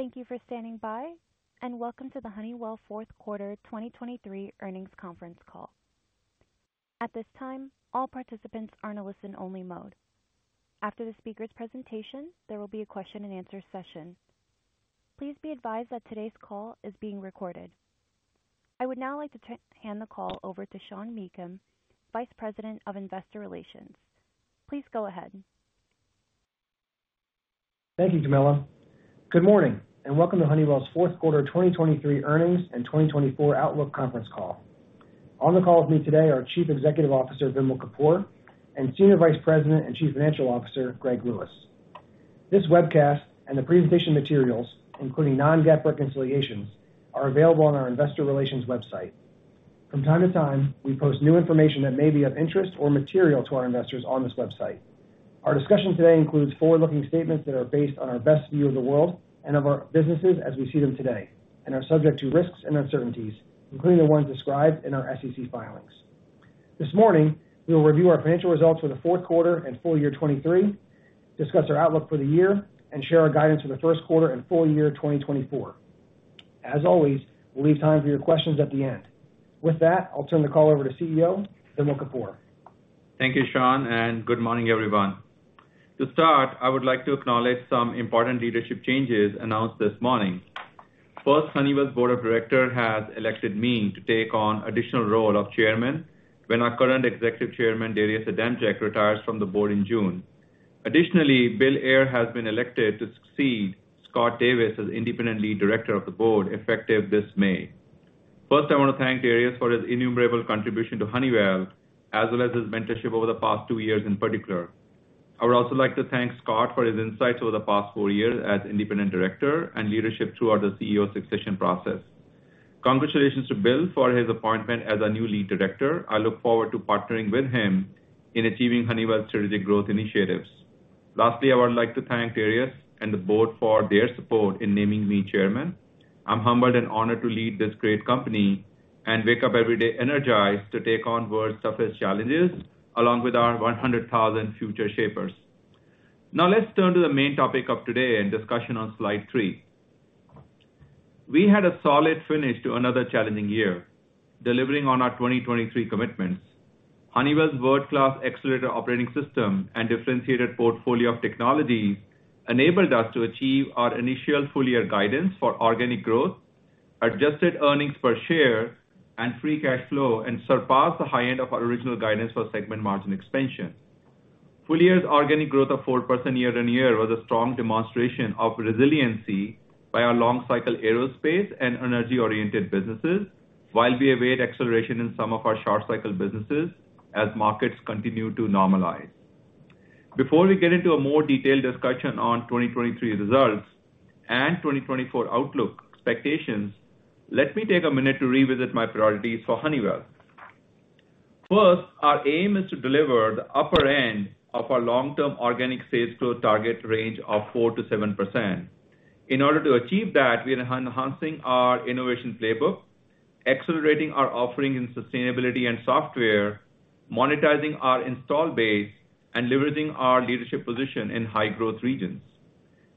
Thank you for standing by, and welcome to the Honeywell fourth quarter 2023 earnings conference call. At this time, all participants are in a listen-only mode. After the speaker's presentation, there will be a question-and-answer session. Please be advised that today's call is being recorded. I would now like to hand the call over to Sean Meakim, Vice President of Investor Relations. Please go ahead. Thank you, Camilla. Good morning, and welcome to Honeywell's fourth quarter 2023 earnings and 2024 outlook conference call. On the call with me today are Chief Executive Officer, Vimal Kapur, and Senior Vice President and Chief Financial Officer, Greg Lewis. This webcast and the presentation materials, including non-GAAP reconciliations, are available on our investor relations website. From time to time, we post new information that may be of interest or material to our investors on this website. Our discussion today includes forward-looking statements that are based on our best view of the world and of our businesses as we see them today and are subject to risks and uncertainties, including the ones described in our SEC filings. This morning, we will review our financial results for the fourth quarter and full year 2023, discuss our outlook for the year, and share our guidance for the first quarter and full year 2024. As always, we'll leave time for your questions at the end. With that, I'll turn the call over to CEO, Vimal Kapur. Thank you, Sean, and good morning, everyone. To start, I would like to acknowledge some important leadership changes announced this morning. First, Honeywell's board of directors has elected me to take on additional role of Chairman when our current Executive Chairman, Darius Adamczyk, retires from the board in June. Additionally, Bill Ayer has been elected to succeed Scott Davis as Independent Lead Director of the board, effective this May. First, I want to thank Darius for his innumerable contributions to Honeywell, as well as his mentorship over the past two years in particular. I would also like to thank Scott for his insights over the past four years as Independent Director and leadership throughout the CEO succession process. Congratulations to Bill for his appointment as our new lead director. I look forward to partnering with him in achieving Honeywell's strategic growth initiatives. Lastly, I would like to thank Darius and the board for their support in naming me chairman. I'm humbled and honored to lead this great company and wake up every day energized to take on world's toughest challenges, along with our 100,000 Futureshapers. Now, let's turn to the main topic of today and discussion on slide three. We had a solid finish to another challenging year, delivering on our 2023 commitments. Honeywell's world-class Accelerator operating system and differentiated portfolio of technologies enabled us to achieve our initial full-year guidance for organic growth, adjusted earnings per share and free cash flow, and surpass the high end of our original guidance for segment margin expansion. Full year's organic growth of 4% year-over-year was a strong demonstration of resiliency by our long cycle Aerospace and energy-oriented businesses, while we await acceleration in some of our short cycle businesses as markets continue to normalize. Before we get into a more detailed discussion on 2023 results and 2024 outlook expectations, let me take a minute to revisit my priorities for Honeywell. First, our aim is to deliver the upper end of our long-term organic sales growth target range of 4%-7%. In order to achieve that, we are enhancing our innovation playbook, accelerating our offering in sustainability and software, monetizing our install base, and leveraging our leadership position in high-growth regions.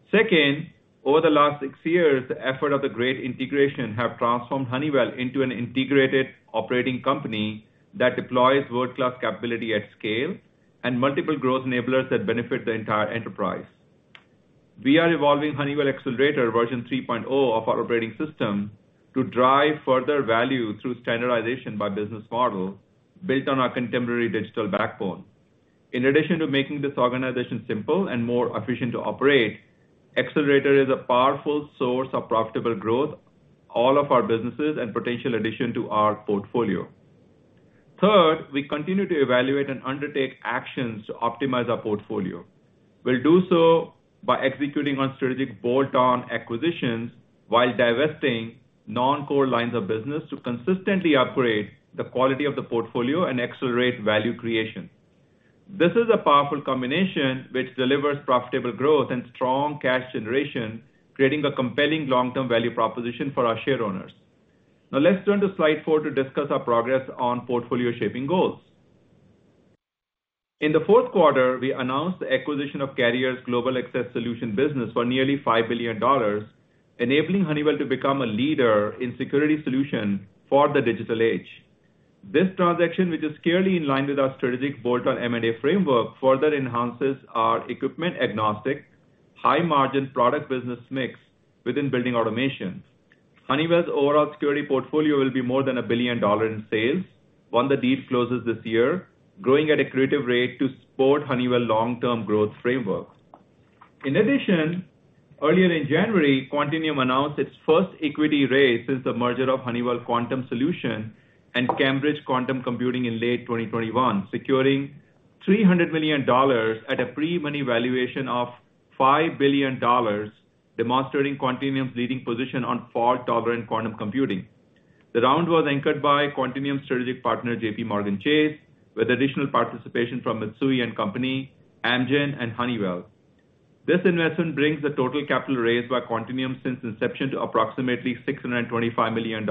Second, over the last six years, the effort of the great integration have transformed Honeywell into an integrated operating company that deploys world-class capability at scale and multiple growth enablers that benefit the entire enterprise. We are evolving Honeywell Accelerator version 3.0 of our operating system to drive further value through standardization by business model based on our contemporary digital backbone. In addition to making this organization simple and more efficient to operate, Accelerator is a powerful source of profitable growth, all of our businesses, and potential addition to our portfolio. Third, we continue to evaluate and undertake actions to optimize our portfolio. We'll do so by executing on strategic bolt-on acquisitions while divesting non-core lines of business to consistently upgrade the quality of the portfolio and accelerate value creation. This is a powerful combination which delivers profitable growth and strong cash generation, creating a compelling long-term value proposition for our shareowners. Now, let's turn to slide four to discuss our progress on portfolio-shaping goals. In the fourth quarter, we announced the acquisition of Carrier's Global Access Solutions business for nearly $5 billion, enabling Honeywell to become a leader in security solution for the digital age. This transaction, which is clearly in line with our strategic bolt-on M&A framework, further enhances our equipment-agnostic, high-margin product business mix within Building Automation. Honeywell's overall Security portfolio will be more than $1 billion in sales when the deal closes this year, growing at a creative rate to support Honeywell long-term growth framework. In addition, earlier in January, Quantinuum announced its first equity raise since the merger of Honeywell Quantum Solutions and Cambridge Quantum Computing in late 2021, securing $300 million at a pre-money valuation of $5 billion, demonstrating Quantinuum's leading position on fault-tolerant quantum computing. The round was anchored by Quantinuum's strategic partner, JPMorgan Chase, with additional participation from Mitsui & Company, Amgen, and Honeywell. This investment brings the total capital raised by Quantinuum since inception to approximately $625 million.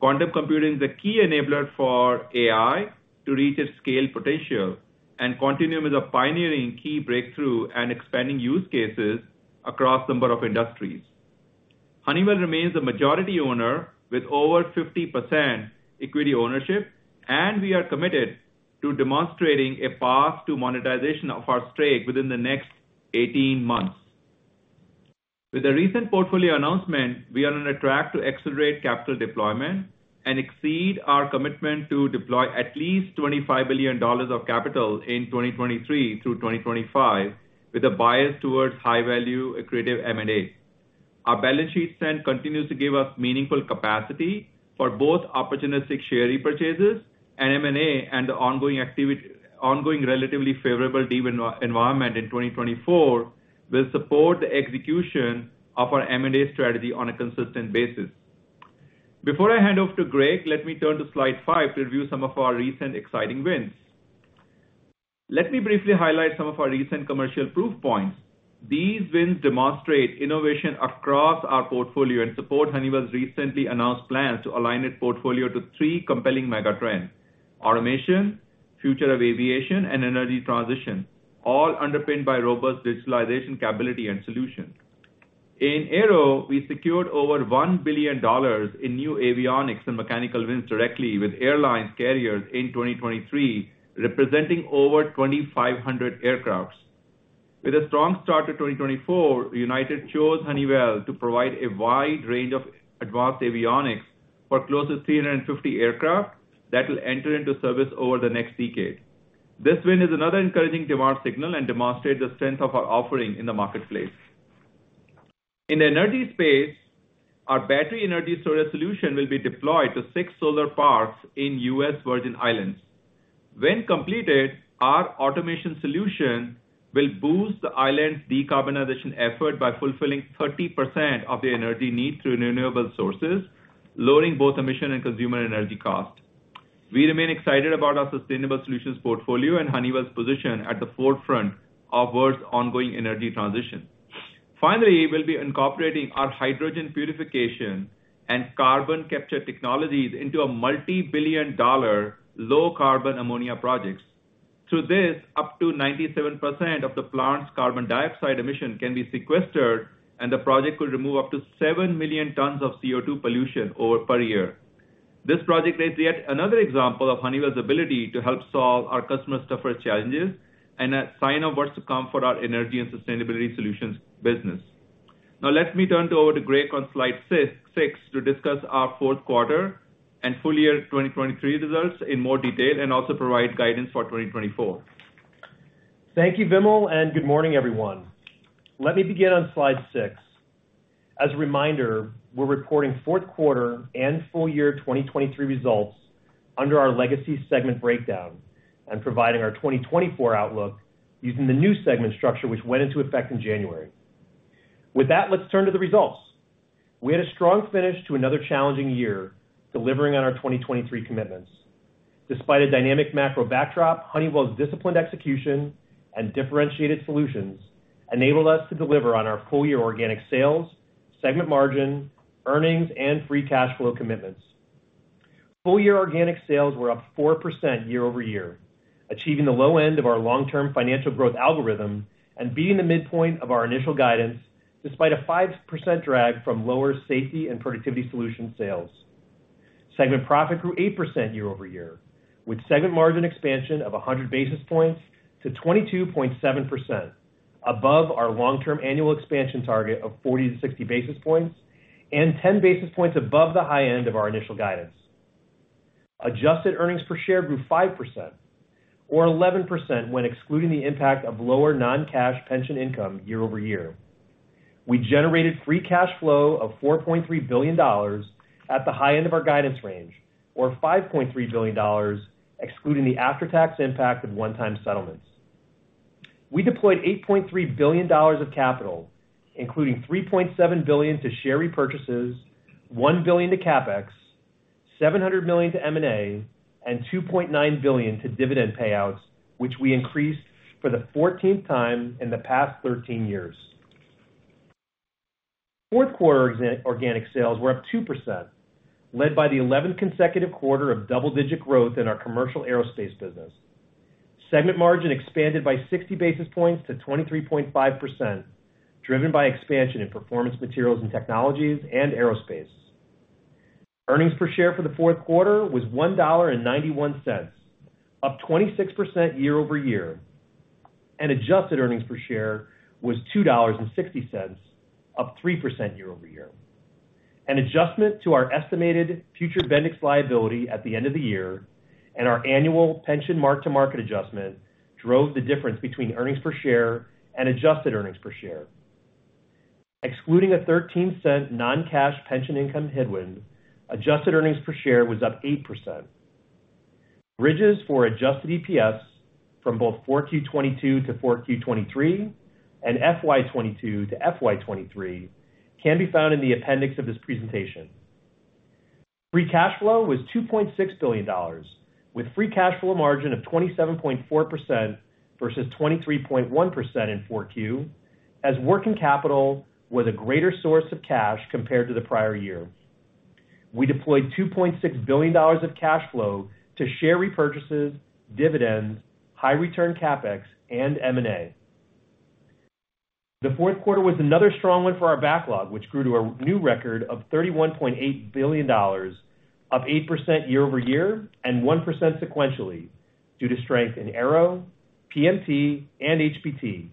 Quantum computing is a key enabler for AI to reach its scale potential, and Quantinuum is a pioneering key breakthrough and expanding use cases across a number of industries. Honeywell remains a majority owner with over 50% equity ownership, and we are committed to demonstrating a path to monetization of our stake within the next 18 months. With the recent portfolio announcement, we are on a track to accelerate capital deployment and exceed our commitment to deploy at least $25 billion of capital in 2023 through 2025, with a bias towards high value, accretive M&A. Our balance sheet strength continues to give us meaningful capacity for both opportunistic share repurchases and M&A, and the ongoing, relatively favorable deal environment in 2024 will support the execution of our M&A strategy on a consistent basis. Before I hand off to Greg, let me turn to slide five to review some of our recent exciting wins. Let me briefly highlight some of our recent commercial proof points. These wins demonstrate innovation across our portfolio and support Honeywell's recently announced plans to align its portfolio to three compelling mega trends: automation, future of aviation, and energy transition, all underpinned by robust digitalization capability and solutions. In Aero, we secured over $1 billion in new avionics and mechanical wins directly with airlines carriers in 2023, representing over 2,500 aircraft. With a strong start to 2024, United chose Honeywell to provide a wide range of advanced avionics for close to 350 aircraft that will enter into service over the next decade. This win is another encouraging demand signal and demonstrates the strength of our offering in the marketplace. In the energy space, our battery energy storage solution will be deployed to six solar parks in U.S. Virgin Islands. When completed, our automation solution will boost the island's decarbonization effort by fulfilling 30% of the energy needs through renewable sources, lowering both emission and consumer energy cost. We remain excited about our sustainable solutions portfolio and Honeywell's position at the forefront of world's ongoing energy transition. Finally, we'll be incorporating our hydrogen purification and carbon capture technologies into a multi-billion-dollar low-carbon ammonia projects. Through this, up to 97% of the plant's carbon dioxide emission can be sequestered, and the project could remove up to 7 million tons of CO2 pollution over per year. This project is yet another example of Honeywell's ability to help solve our customers' toughest challenges, and a sign of what's to come for our Energy and Sustainability Solutions business. Now, let me turn it over to Greg on slide six to discuss our fourth quarter and full year 2023 results in more detail, and also provide guidance for 2024. Thank you, Vimal, and good morning, everyone. Let me begin on slide six. As a reminder, we're reporting fourth quarter and full year 2023 results under our legacy segment breakdown and providing our 2024 outlook using the new segment structure, which went into effect in January. With that, let's turn to the results. We had a strong finish to another challenging year, delivering on our 2023 commitments. Despite a dynamic macro backdrop, Honeywell's disciplined execution and differentiated solutions enabled us to deliver on our full year organic sales, segment margin, earnings, and free cash flow commitments. Full year organic sales were up 4% year over year, achieving the low end of our long-term financial growth algorithm and beating the midpoint of our initial guidance, despite a 5% drag from lower Safety and Productivity Solutions sales. Segment profit grew 8% year over year, with segment margin expansion of 100 basis points to 22.7%, above our long-term annual expansion target of 40-60 basis points, and 10 basis points above the high end of our initial guidance. Adjusted earnings per share grew 5%, or 11% when excluding the impact of lower non-cash pension income year over year. We generated free cash flow of $4.3 billion at the high end of our guidance range, or $5.3 billion, excluding the after-tax impact of one-time settlements. We deployed $8.3 billion of capital, including $3.7 billion to share repurchases, $1 billion to CapEx, $700 million to M&A, and $2.9 billion to dividend payouts, which we increased for the 14th time in the past 13 years. Fourth quarter organic sales were up 2%, led by the 11th consecutive quarter of double-digit growth in our commercial Aerospace business. Segment margin expanded by 60 basis points to 23.5%, driven by expansion in Performance Materials and Technologies and Aerospace. Earnings per share for the fourth quarter was $1.91, up 26% year-over-year, and adjusted earnings per share was $2.60, up 3% year-over-year. An adjustment to our estimated future Bendix liability at the end of the year and our annual pension mark-to-market adjustment drove the difference between earnings per share and adjusted earnings per share. Excluding a $0.13 non-cash pension income headwind, adjusted earnings per share was up 8%. Bridges for adjusted EPS from both 4Q 2022 to 4Q 2023 and FY 2022 to FY 2023 can be found in the appendix of this presentation. Free cash flow was $2.6 billion, with free cash flow margin of 27.4% versus 23.1% in 4Q, as working capital was a greater source of cash compared to the prior year. We deployed $2.6 billion of cash flow to share repurchases, dividends, high return CapEx, and M&A. The fourth quarter was another strong one for our backlog, which grew to a new record of $31.8 billion, up 8% year-over-year and 1% sequentially, due to strength in Aero, PMT, and HBT.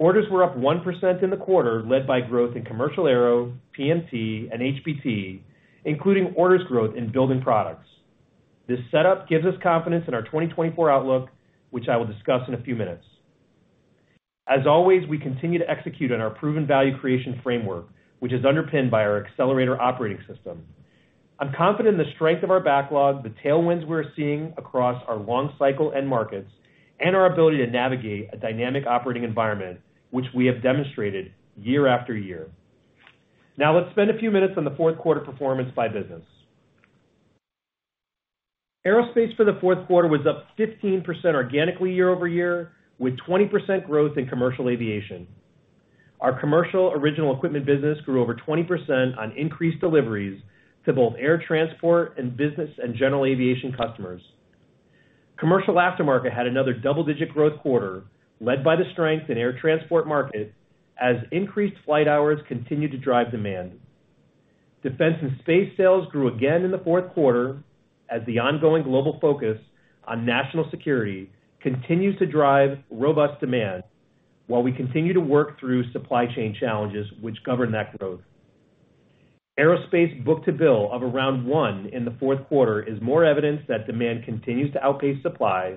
Orders were up 1% in the quarter, led by growth in commercial Aero, PMT, and HBT, including orders growth in Building Products. This setup gives us confidence in our 2024 outlook, which I will discuss in a few minutes. As always, we continue to execute on our proven value creation framework, which is underpinned by our Accelerator operating system. I'm confident in the strength of our backlog, the tailwinds we're seeing across our long cycle end markets, and our ability to navigate a dynamic operating environment, which we have demonstrated year after year. Now, let's spend a few minutes on the fourth quarter performance by business. Aerospace for the fourth quarter was up 15% organically year-over-year, with 20% growth in commercial aviation. Our Commercial Original Equipment business grew over 20% on increased deliveries to both air transport and business and general aviation customers. Commercial Aftermarket had another double-digit growth quarter, led by the strength in air transport market as increased flight hours continued to drive demand. Defense & Space sales grew again in the fourth quarter as the ongoing global focus on national security continues to drive robust demand, while we continue to work through supply chain challenges which govern that growth. Aerospace Book-to-Bill of around 1 in the fourth quarter is more evidence that demand continues to outpace supply,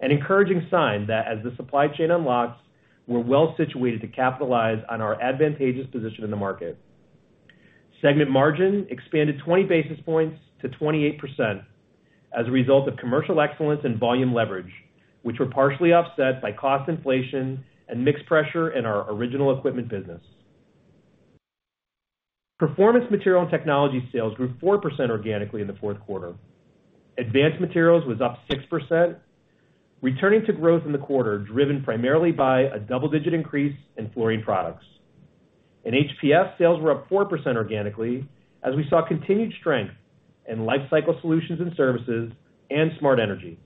an encouraging sign that as the supply chain unlocks, we're well situated to capitalize on our advantageous position in the market. Segment margin expanded 20 basis points to 28% as a result of commercial excellence and volume leverage, which were partially offset by cost inflation and mixed pressure in our original equipment business. Performance Materials and Technologies sales grew 4% organically in the fourth quarter. Advanced Materials was up 6%, returning to growth in the quarter, driven primarily by a double-digit increase in Fluorine products. In HPS, sales were up 4% organically, as we saw continued strength in Lifecycle Solutions & Services and Smart Energy.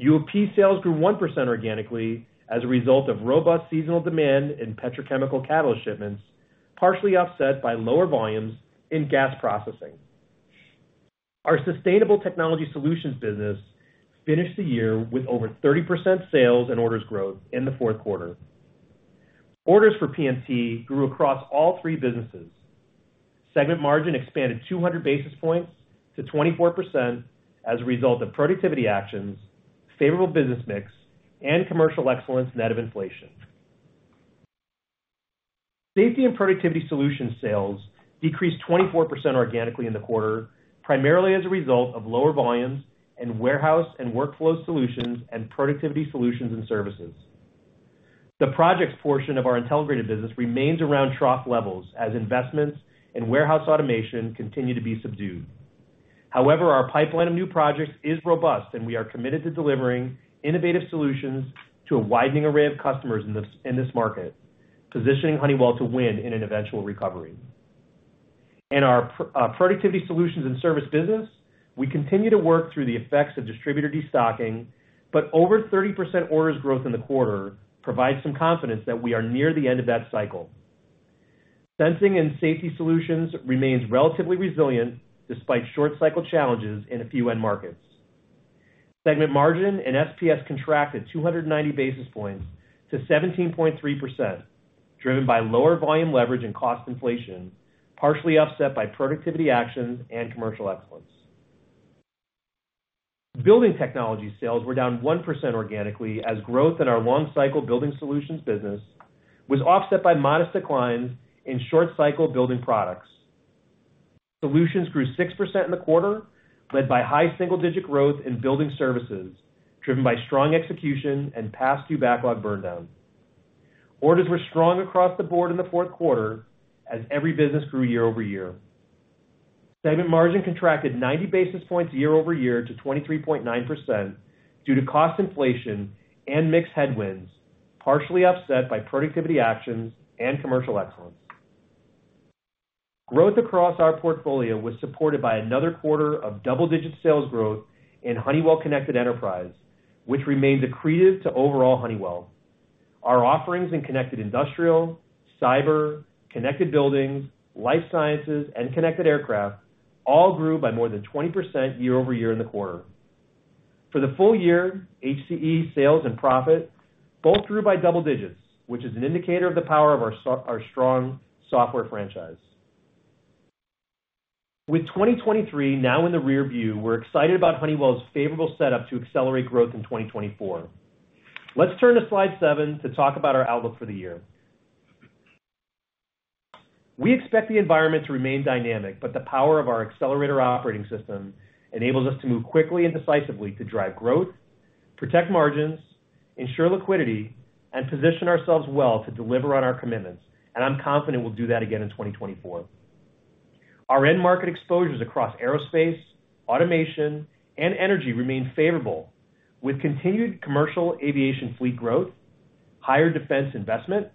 UOP sales grew 1% organically as a result of robust seasonal demand in petrochemical catalyst shipments, partially offset by lower volumes in gas processing. Our Sustainable Technology Solutions business finished the year with over 30% sales and orders growth in the fourth quarter. Orders for PMT grew across all three businesses. Segment margin expanded 200 basis points to 24% as a result of productivity actions, favorable business mix, and commercial excellence Safety & Productivity Solutions sales decreased 24% organically in the quarter, primarily as a result of lower volumes in warehouse and workflow solutions and Productivity Solutions and Services. The projects portion of our integrated business remains around trough levels as investments and warehouse automation continue to be subdued. However, our pipeline of new projects is robust, and we are committed to delivering innovative solutions to a widening array of customers in this market, positioning Honeywell to win in an eventual recovery. In our Productivity Solutions and Services business, we continue to work through the effects of distributor destocking, but over 30% orders growth in the quarter provides some confidence that we are near the end of that cycle. Sensing and Safety Solutions remains relatively resilient despite short cycle challenges in a few end markets. Segment margin in SPS contracted 200 basis points to 17.3%, driven by lower volume leverage and cost inflation, partially offset by productivity actions and commercial excellence. Building technology sales were down 1% organically as growth in our long cycle Building Solutions business was offset by modest declines in short cycle Building Products. Solutions grew 6% in the quarter, led by high single-digit growth in building services, driven by strong execution and past due backlog burn down. Orders were strong across the board in the fourth quarter as every business grew year-over-year. Segment margin contracted 90 basis points year-over-year to 23.9% due to cost inflation and mix headwinds, partially offset by productivity actions and commercial excellence. Growth across our portfolio was supported by another quarter of double-digit sales growth in Honeywell Connected Enterprise, which remains accretive to overall Honeywell. Our offerings in Connected Industrial, Cyber, Connected Buildings, Life Sciences, and Connected Aircraft all grew by more than 20% year-over-year in the quarter. For the full year, HCE sales and profit both grew by double digits, which is an indicator of the power of our our strong software franchise. With 2023 now in the rearview, we're excited about Honeywell's favorable setup to accelerate growth in 2024. Let's turn to slide seven to talk about our outlook for the year. We expect the environment to remain dynamic, but the power of our Accelerator operating system enables us to move quickly and decisively to drive growth, protect margins, ensure liquidity, and position ourselves well to deliver on our commitments, and I'm confident we'll do that again in 2024. Our end market exposures across aerospace, automation, and energy remain favorable, with continued commercial aviation fleet growth, higher defense investment,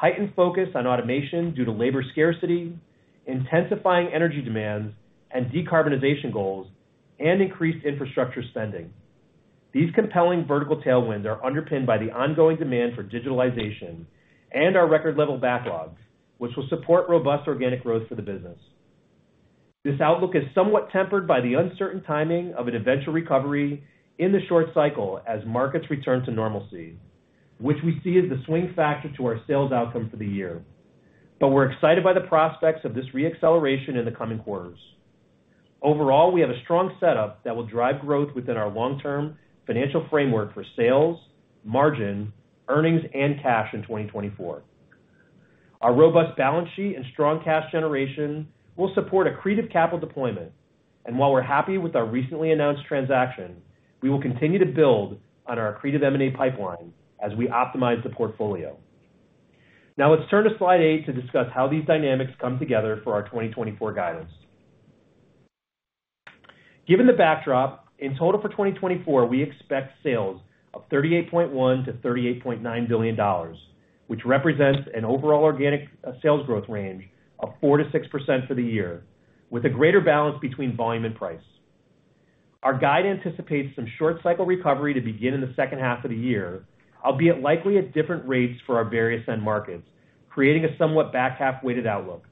heightened focus on automation due to labor scarcity, intensifying energy demands and decarbonization goals, and increased infrastructure spending. These compelling vertical tailwinds are underpinned by the ongoing demand for digitalization and our record-level backlogs, which will support robust organic growth for the business. This outlook is somewhat tempered by the uncertain timing of an eventual recovery in the short cycle as markets return to normalcy, which we see as the swing factor to our sales outcome for the year. But we're excited by the prospects of this re-acceleration in the coming quarters. Overall, we have a strong setup that will drive growth within our long-term financial framework for sales, margin, earnings, and cash in 2024. Our robust balance sheet and strong cash generation will support accretive capital deployment. And while we're happy with our recently announced transaction, we will continue to build on our accretive M&A pipeline as we optimize the portfolio. Now let's turn to slide eight to discuss how these dynamics come together for our 2024 guidance. Given the backdrop, in total for 2024, we expect sales of $38.1 billion-$38.9 billion, which represents an overall organic sales growth range of 4%-6% for the year, with a greater balance between volume and price. Our guide anticipates some short cycle recovery to begin in the second half of the year, albeit likely at different rates for our various end markets, creating a somewhat back-half-weighted outlook.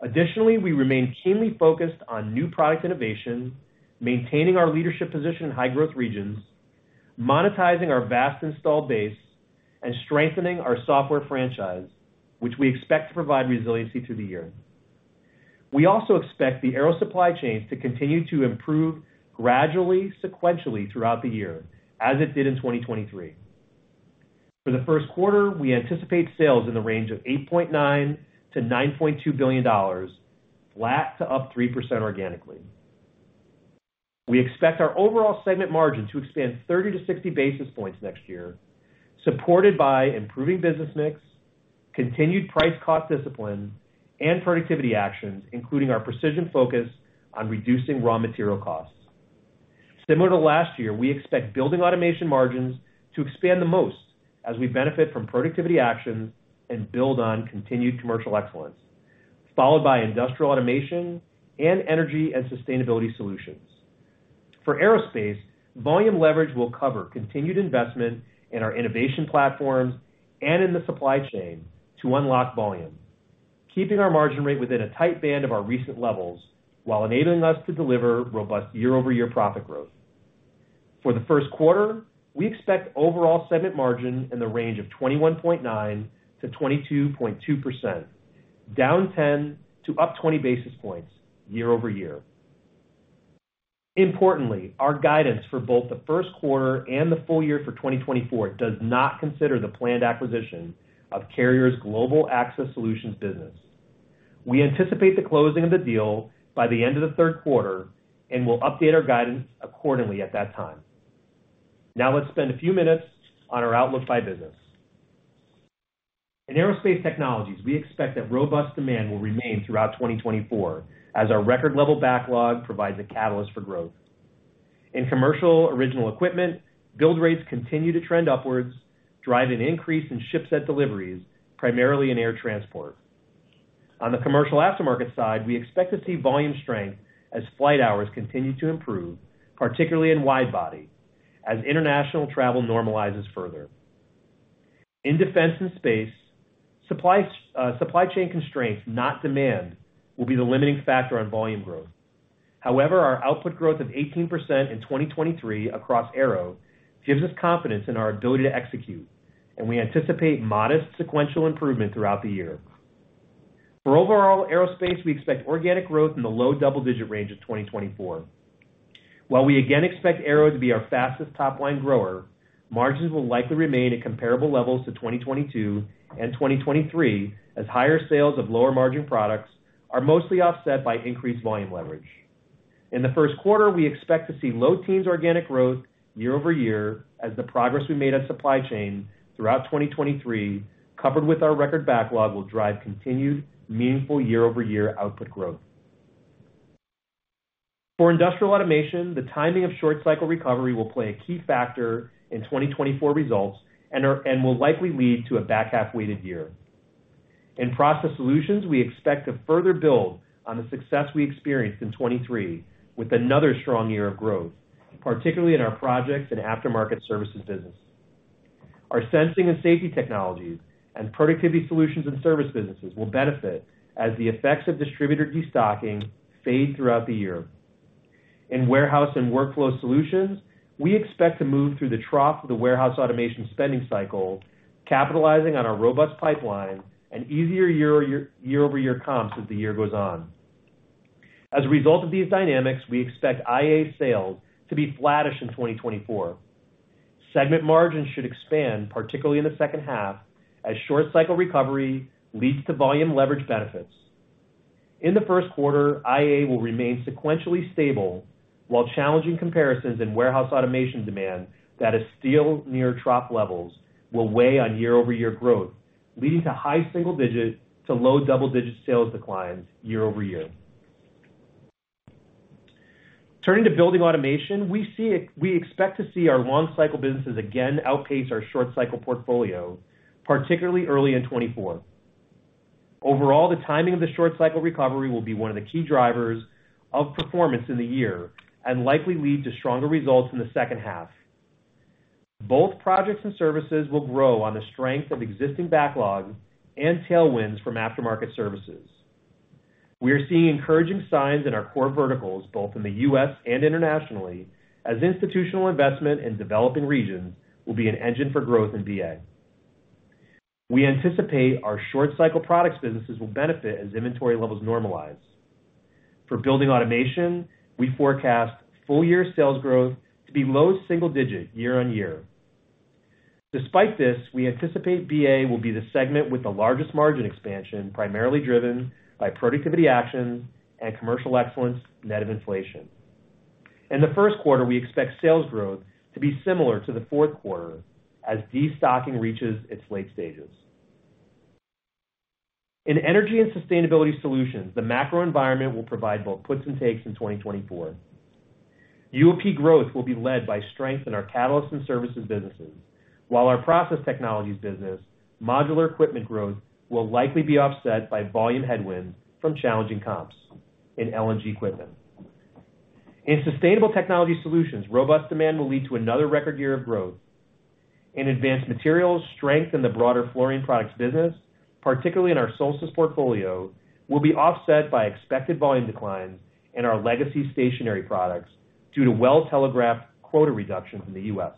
Additionally, we remain keenly focused on new product innovation, maintaining our leadership position in high-growth regions, monetizing our vast installed base, and strengthening our software franchise, which we expect to provide resiliency through the year. We also expect the aero supply chain to continue to improve gradually, sequentially throughout the year, as it did in 2023. For the first quarter, we anticipate sales in the range of $8.9 billion-$9.2 billion, flat to up 3% organically. We expect our overall segment margin to expand 30-60 basis points next year, supported by improving business mix, continued price cost discipline, and productivity actions, including our precision focus on reducing raw material costs. Similar to last year, we expect Building Automation margins to expand the most as we benefit from productivity actions and build on continued commercial excellence, followed by Industrial Automation and Energy and Sustainability Solutions. For Aerospace, volume leverage will cover continued investment in our innovation platforms and in the supply chain to unlock volume, keeping our margin rate within a tight band of our recent levels while enabling us to deliver robust year-over-year profit growth. For the first quarter, we expect overall segment margin in the range of 21.9%-22.2%, down 10 to up 20 basis points year-over-year. Importantly, our guidance for both the first quarter and the full year for 2024 does not consider the planned acquisition of Carrier's Global Access Solutions business. We anticipate the closing of the deal by the end of the third quarter, and we'll update our guidance accordingly at that time. Now let's spend a few minutes on our outlook by business. In Aerospace Technologies, we expect that robust demand will remain throughout 2024, as our record-level backlog provides a catalyst for growth. In Commercial Original Equipment, build rates continue to trend upwards, driving an increase in ship set deliveries, primarily in air transport. On the Commercial Aftermarket side, we expect to see volume strength as flight hours continue to improve, particularly in wide body, as international travel normalizes further. In Defense & Space, supply chain constraints, not demand, will be the limiting factor on volume growth. However, our output growth of 18% in 2023 across Aero gives us confidence in our ability to execute, and we anticipate modest sequential improvement throughout the year. For overall aerospace, we expect organic growth in the low double-digit range of 2024. While we again expect Aero to be our fastest top-line grower, margins will likely remain at comparable levels to 2022 and 2023, as higher sales of lower-margin products are mostly offset by increased volume leverage. In the first quarter, we expect to see low teens organic growth year-over-year, as the progress we made at supply chain throughout 2023, coupled with our record backlog, will drive continued meaningful year-over-year output growth. For Industrial Automation, the timing of short cycle recovery will play a key factor in 2024 results and will likely lead to a back-half-weighted year. In Process Solutions, we expect to further build on the success we experienced in 2023 with another strong year of growth, particularly in our projects and aftermarket services business. Our Sensing and Safety Technologies and Productivity Solutions and Service businesses will benefit as the effects of distributor destocking fade throughout the year. In Warehouse and Workflow Solutions, we expect to move through the trough of the warehouse automation spending cycle, capitalizing on our robust pipeline and easier year-over-year comps as the year goes on. As a result of these dynamics, we expect IA sales to be flattish in 2024. Segment margins should expand, particularly in the second half, as short cycle recovery leads to volume leverage benefits. In the first quarter, IA will remain sequentially stable, while challenging comparisons in warehouse automation demand that is still near trough levels will weigh on year-over-year growth, leading to high single-digit to low double-digit sales declines year-over-year. Turning to Building Automation, we expect to see our long cycle businesses again outpace our short cycle portfolio, particularly early in 2024. Overall, the timing of the short cycle recovery will be one of the key drivers of performance in the year, and likely lead to stronger results in the second half. Both projects and services will grow on the strength of existing backlogs and tailwinds from aftermarket services. We are seeing encouraging signs in our core verticals, both in the U.S. and internationally, as institutional investment in developing regions will be an engine for growth in BA. We anticipate our short cycle products businesses will benefit as inventory levels normalize. For Building Automation, we forecast full year sales growth to be low single-digit year-on-year. Despite this, we anticipate BA will be the segment with the largest margin expansion, primarily driven by productivity actions and commercial excellence, net of inflation. In the first quarter, we expect sales growth to be similar to the fourth quarter as destocking reaches its late stages. In Energy and Sustainability Solutions, the macro environment will provide both puts and takes in 2024. UOP growth will be led by strength in our catalyst and services businesses, while our process technologies business, modular equipment growth will likely be offset by volume headwinds from challenging comps in LNG equipment. In Sustainable Technology Solutions, robust demand will lead to another record year of growth. In Advanced Materials, strength in the broader fluorine products business, particularly in our Solstice portfolio, will be offset by expected volume declines in our legacy stationary products due to well-telegraphed quota reductions in the U.S.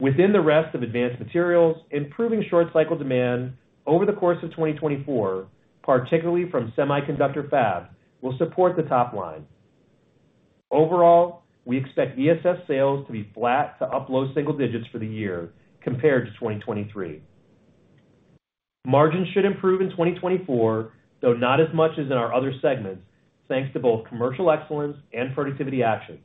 Within the rest of Advanced Materials, improving short cycle demand over the course of 2024, particularly from semiconductor fab, will support the top line. Overall, we expect ESS sales to be flat to up low single digits for the year compared to 2023. Margins should improve in 2024, though not as much as in our other segments, thanks to both commercial excellence and productivity actions.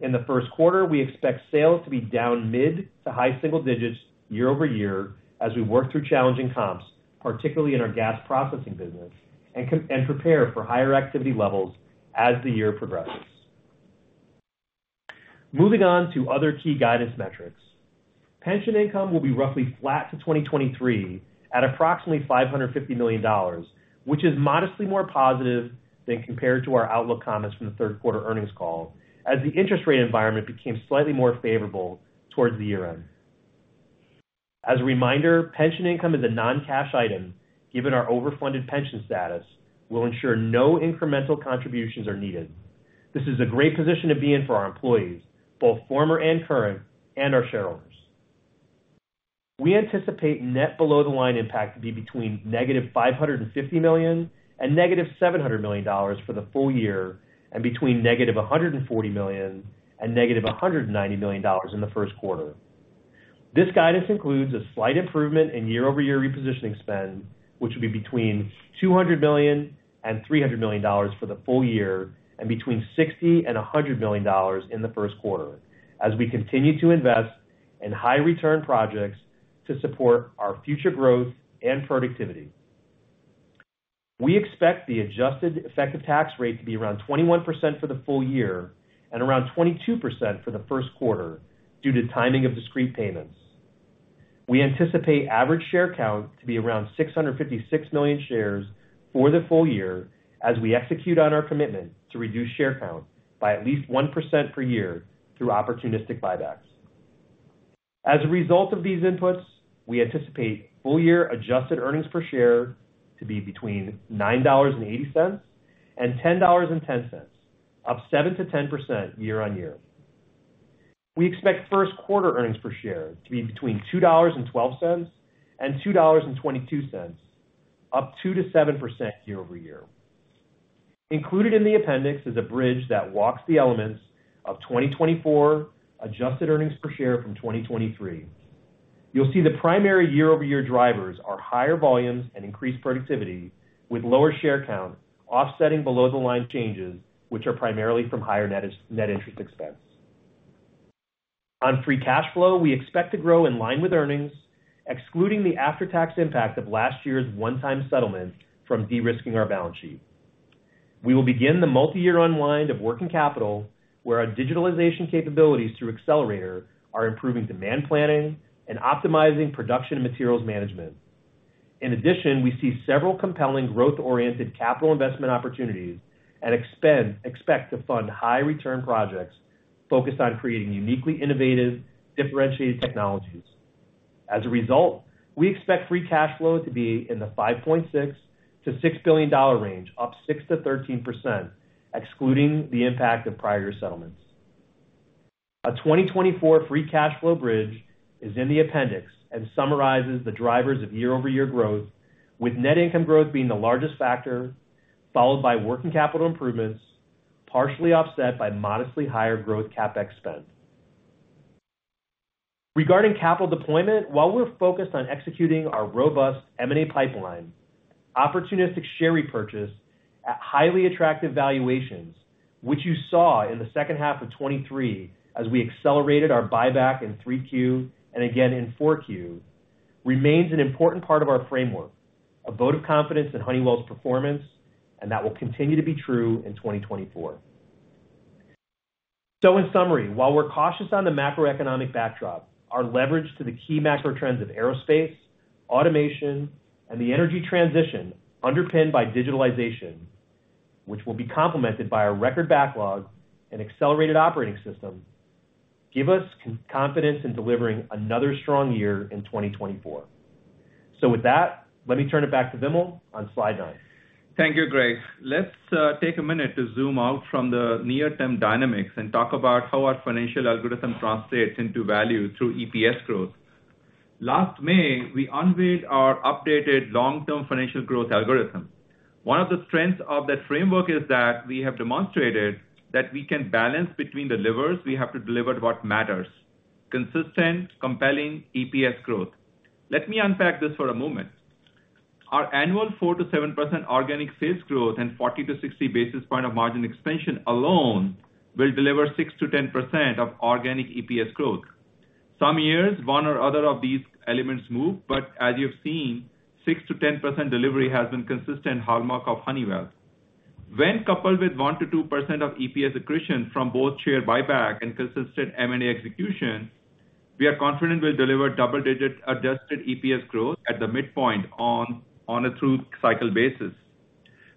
In the first quarter, we expect sales to be down mid to high single digits year-over-year as we work through challenging comps, particularly in our Gas Processing business, and prepare for higher activity levels as the year progresses. Moving on to other key guidance metrics. Pension income will be roughly flat to 2023 at approximately $550 million, which is modestly more positive than compared to our outlook comments from the third quarter earnings call, as the interest rate environment became slightly more favorable towards the year-end. As a reminder, pension income is a non-cash item, given our overfunded pension status will ensure no incremental contributions are needed. This is a great position to be in for our employees, both former and current, and our shareholders. We anticipate net below-the-line impact to be between -$550 million and -$700 million for the full year, and between -$140 million and -$190 million in the first quarter. This guidance includes a slight improvement in year-over-year repositioning spend, which will be between $200 million and $300 million for the full year and between $60 million and $100 million in the first quarter as we continue to invest in high return projects to support our future growth and productivity. We expect the adjusted effective tax rate to be around 21% for the full year and around 22% for the first quarter due to timing of discrete payments. We anticipate average share count to be around 656 million shares for the full year as we execute on our commitment to reduce share count by at least 1% per year through opportunistic buybacks. As a result of these inputs, we anticipate full-year adjusted earnings per share to be between $9.80 and $10.10, up 7%-10% year-over-year. We expect first quarter earnings per share to be between $2.12 and $2.22, up 2%-7% year-over-year. Included in the appendix is a bridge that walks the elements of 2024 adjusted earnings per share from 2023. You'll see the primary year-over-year drivers are higher volumes and increased productivity, with lower share count offsetting below-the-line changes, which are primarily from higher net interest expense. On free cash flow, we expect to grow in line with earnings, excluding the after-tax impact of last year's one-time settlement from de-risking our balance sheet. We will begin the multi-year unwind of working capital, where our digitalization capabilities through Accelerator are improving demand planning and optimizing production and materials management. In addition, we see several compelling growth-oriented capital investment opportunities and expect to fund high return projects focused on creating uniquely innovative, differentiated technologies. As a result, we expect free cash flow to be in the $5.6 billion-$6 billion range, up 6%-13%, excluding the impact of prior year settlements. A 2024 free cash flow bridge is in the appendix and summarizes the drivers of year-over-year growth, with net income growth being the largest factor, followed by working capital improvements, partially offset by modestly higher growth CapEx spend. Regarding capital deployment, while we're focused on executing our robust M&A pipeline, opportunistic share repurchase at highly attractive valuations, which you saw in the second half of 2023 as we accelerated our buyback in Q3 and again in Q4, remains an important part of our framework, a vote of confidence in Honeywell's performance, and that will continue to be true in 2024. So in summary, while we're cautious on the macroeconomic backdrop, our leverage to the key macro trends of aerospace, automation, and the energy transition underpinned by digitalization, which will be complemented by our record backlog and accelerated operating system, give us confidence in delivering another strong year in 2024. So with that, let me turn it back to Vimal on slide nine. Thank you, Greg. Let's take a minute to zoom out from the near-term dynamics and talk about how our financial algorithm translates into value through EPS growth. Last May, we unveiled our updated long-term financial growth algorithm. One of the strengths of that framework is that we have demonstrated that we can balance between the levers we have to deliver what matters: consistent, compelling EPS growth. Let me unpack this for a moment. Our annual 4%-7% organic sales growth and 40-60 basis points of margin expansion alone will deliver 6%-10% organic EPS growth. Some years, one or other of these elements move, but as you've seen, 6%-10% delivery has been consistent hallmark of Honeywell. When coupled with 1%-2% EPS accretion from both share buyback and consistent M&A execution, we are confident we'll deliver double-digit adjusted EPS growth at the midpoint on a true cycle basis.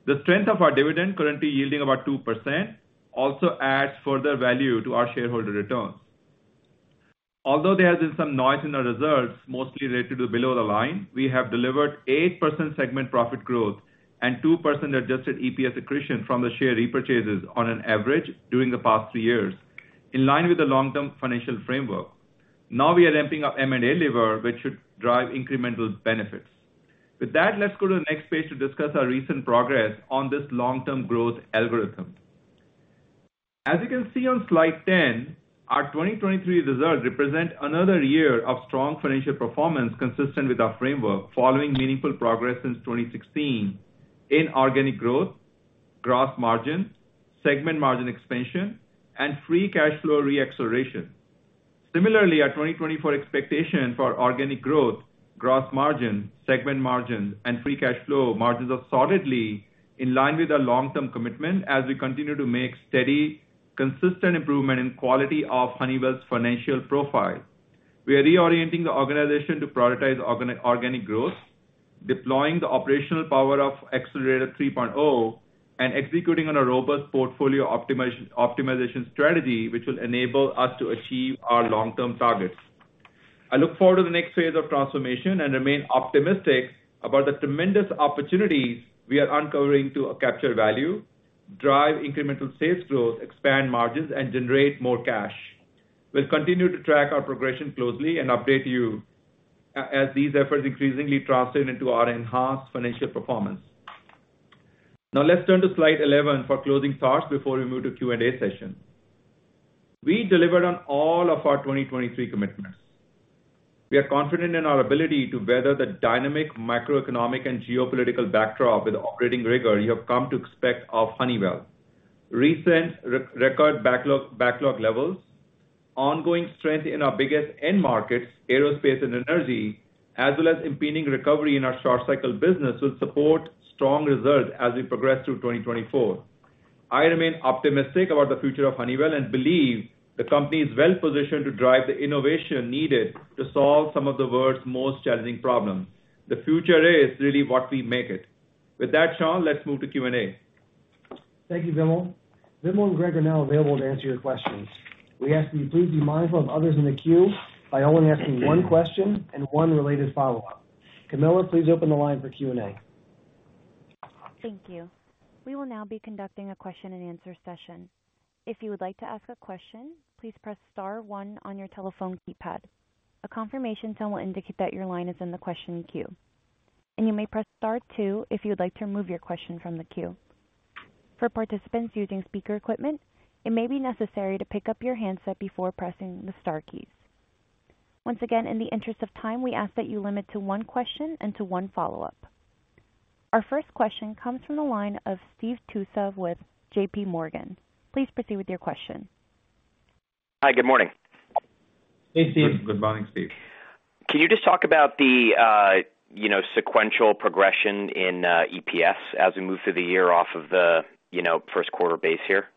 The strength of our dividend, currently yielding about 2%, also adds further value to our shareholder returns. Although there has been some noise in the results, mostly related to below the line, we have delivered 8% segment profit growth and 2% adjusted EPS accretion from the share repurchases on average during the past three years, in line with the long-term financial framework. Now we are ramping up M&A lever, which should drive incremental benefits. With that, let's go to the next page to discuss our recent progress on this long-term growth algorithm. As you can see on slide 10, our 2023 results represent another year of strong financial performance consistent with our framework, following meaningful progress since 2016 in organic growth, gross margin, segment margin expansion, and free cash flow reacceleration. Similarly, our 2024 expectation for organic growth, gross margin, segment margin, and free cash flow margins are solidly in line with our long-term commitment as we continue to make steady, consistent improvement in quality of Honeywell's financial profile. We are reorienting the organization to prioritize organic growth, deploying the operational power of Accelerator 3.0, and executing on a robust portfolio optimization strategy, which will enable us to achieve our long-term targets. I look forward to the next phase of transformation and remain optimistic about the tremendous opportunities we are uncovering to capture value, drive incremental sales growth, expand margins, and generate more cash. We'll continue to track our progression closely and update you as these efforts increasingly translate into our enhanced financial performance. Now, let's turn to slide 11 for closing thoughts before we move to Q&A session. We delivered on all of our 2023 commitments. We are confident in our ability to weather the dynamic macroeconomic and geopolitical backdrop with the operating rigor you have come to expect of Honeywell. Recent record backlog, backlog levels, ongoing strength in our biggest end markets, aerospace and energy, as well as impending recovery in our short cycle business, will support strong results as we progress through 2024. I remain optimistic about the future of Honeywell and believe the company is well positioned to drive the innovation needed to solve some of the world's most challenging problems. The future is really what we make it. With that, Sean, let's move to Q&A. Thank you, Vimal. Vimal and Greg are now available to answer your questions. We ask that you please be mindful of others in the queue by only asking one question and one related follow-up. Camilla, please open the line for Q&A. Thank you. We will now be conducting a question-and-answer session. If you would like to ask a question, please press star one on your telephone keypad. A confirmation tone will indicate that your line is in the question queue, and you may press star two if you would like to remove your question from the queue. For participants using speaker equipment, it may be necessary to pick up your handset before pressing the star keys. Once again, in the interest of time, we ask that you limit to one question and to one follow-up. Our first question comes from the line of Steve Tusa with JPMorgan. Please proceed with your question. Hi, good morning. Hey, Steve. Good morning, Steve. Can you just talk about the, you know, sequential progression in EPS as we move through the year off of the, you know, first quarter base here?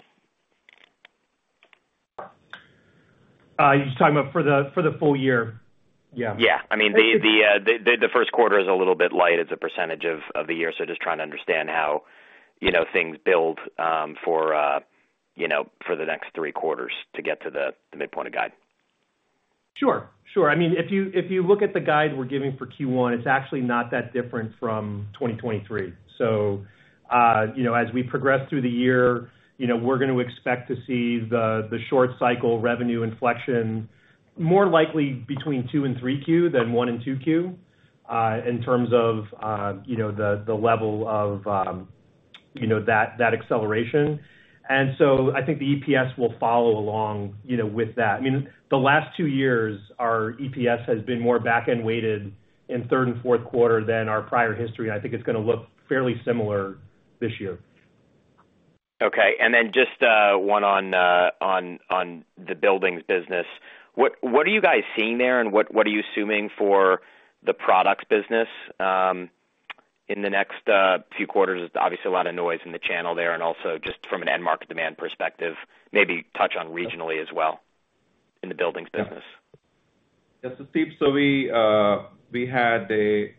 You're talking about for the, for the full year? Yeah. Yeah. I mean, the first quarter is a little bit light as a percentage of the year, so just trying to understand how, you know, things build for, you know, for the next three quarters to get to the midpoint of guide. Sure, sure. I mean, if you, if you look at the guide we're giving for Q1, it's actually not that different from 2023. So, you know, as we progress through the year, you know, we're going to expect to see the short cycle revenue inflection more likely between 2 and 3Q than 1 and 2Q, in terms of, you know, the level of, you know, that acceleration. And so I think the EPS will follow along, you know, with that. I mean, the last two years, our EPS has been more back-end weighted in third and fourth quarter than our prior history. I think it's gonna look fairly similar this year. Okay. And then just one on the buildings business. What are you guys seeing there, and what are you assuming for the products business in the next few quarters? There's obviously a lot of noise in the channel there, and also just from an end market demand perspective, maybe touch on regionally as well in the buildings business. Yes, so Steve, so we, we had a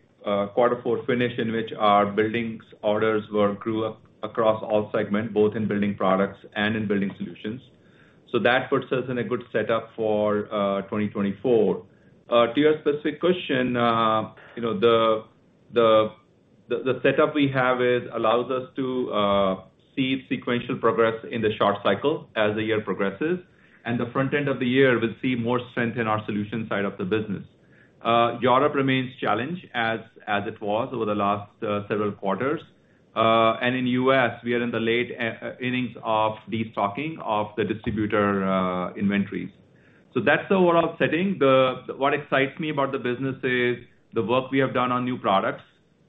quarter four finish in which our buildings orders were grew up across all segments, both in Building Products and in Building Solutions. So that puts us in a good setup for 2024. To your specific question, you know, the setup we have is allows us to see sequential progress in the short cycle as the year progresses, and the front end of the year will see more strength in our solutions side of the business. Europe remains challenged as it was over the last several quarters. And in U.S., we are in the late innings of destocking of the distributor inventories. So that's the overall setting. The. What excites me about the business is the work we have done on new products.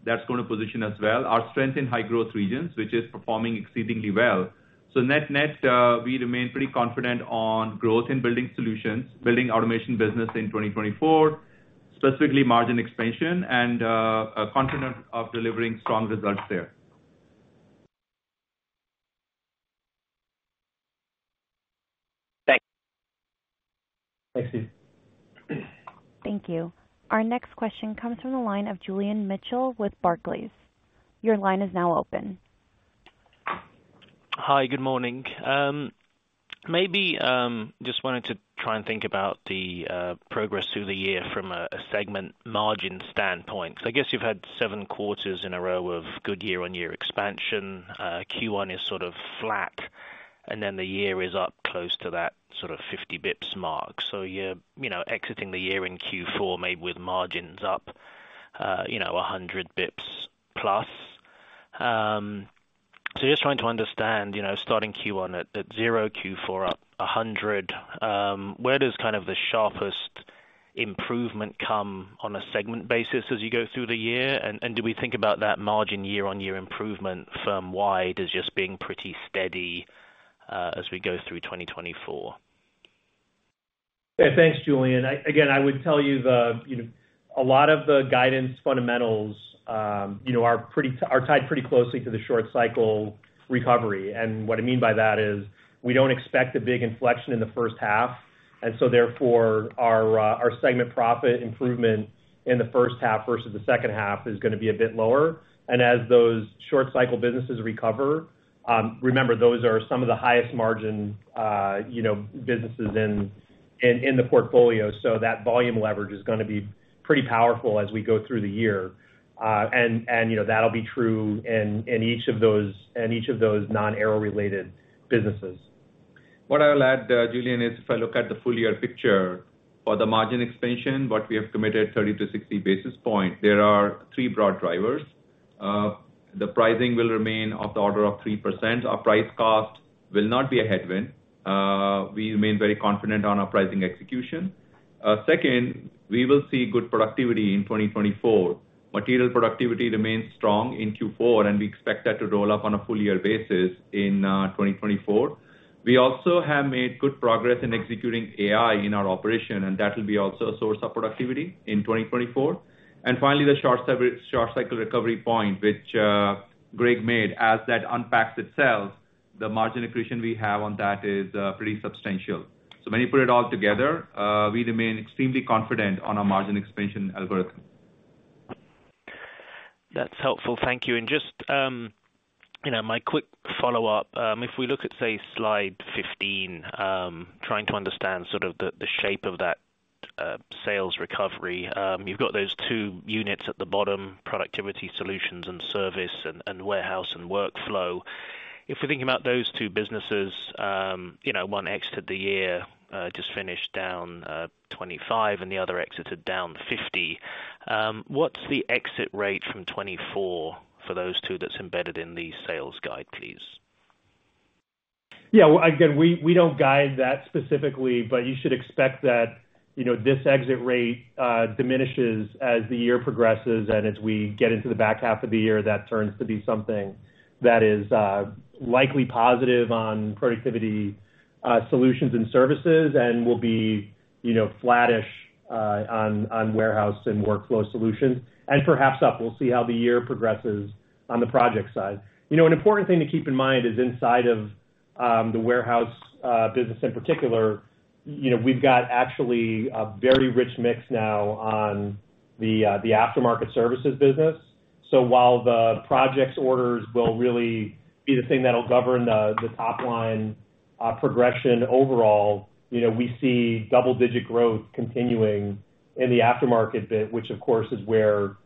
That's going to position us well. Our strength in high growth regions, which is performing exceedingly well. So net, net, we remain pretty confident on growth in Building Solutions, Building Automation business in 2024, specifically margin expansion and confident of delivering strong results there. Thanks. Thanks, Steve. Thank you. Our next question comes from the line of Julian Mitchell with Barclays. Your line is now open. Hi, good morning. Maybe just wanted to try and think about the progress through the year from a segment margin standpoint. So I guess you've had seven quarters in a row of good year-on-year expansion. Q1 is sort of flat, and then the year is up close to that sort of 50 bips mark. So you're, you know, exiting the year in Q4, maybe with margins up, you know, 100 bips plus. So just trying to understand, you know, starting Q1 at zero, Q4 up 100, where does kind of the sharpest improvement come on a segment basis as you go through the year? And do we think about that margin year-on-year improvement firm-wide as just being pretty steady, as we go through 2024? Yeah, thanks, Julian. Again, I would tell you the, you know, a lot of the guidance fundamentals, you know, are tied pretty closely to the short cycle recovery. And what I mean by that is we don't expect a big inflection in the first half, and so therefore, our segment profit improvement in the first half versus the second half is gonna be a bit lower. And as those short cycle businesses recover, remember, those are some of the highest margin, you know, businesses in the portfolio, so that volume leverage is gonna be pretty powerful as we go through the year. And, you know, that'll be true in each of those non-air related businesses. What I'll add, Julian, is if I look at the full year picture for the margin expansion, what we have committed 30-60 basis points, there are three broad drivers. The pricing will remain of the order of 3%. Our price cost will not be a headwind. We remain very confident on our pricing execution. Second, we will see good productivity in 2024. Material productivity remains strong in Q4, and we expect that to roll up on a full year basis in 2024. We also have made good progress in executing AI in our operation, and that will be also a source of productivity in 2024. And finally, the short cycle recovery point, which Greg made as that unpacks itself, the margin accretion we have on that is pretty substantial. When you put it all together, we remain extremely confident on our margin expansion algorithm. That's helpful. Thank you. And just, you know, my quick follow-up, if we look at, say, slide 15, trying to understand sort of the shape of that sales recovery, you've got those two units at the bottom, Productivity Solutions and Service, and Warehouse and Workflow. If we're thinking about those two businesses, you know, one exited the year just finished down 25, and the other exited down 50. What's the exit rate from 2024 for those two that's embedded in the sales guide, please? Yeah, again, we, we don't guide that specifically, but you should expect that, you know, this exit rate diminishes as the year progresses. And as we get into the back half of the year, that turns to be something that is Productivity Solutions and Services and will be, you know, flattish on Warehouse and Workflow Solutions, and perhaps up. We'll see how the year progresses on the project side. You know, an important thing to keep in mind is inside of the warehouse business in particular, you know, we've got actually a very rich mix now on the aftermarket services business. So while the projects orders will really be the thing that'll govern the top line progression overall, you know, we see double-digit growth continuing in the aftermarket bit, which of course, is where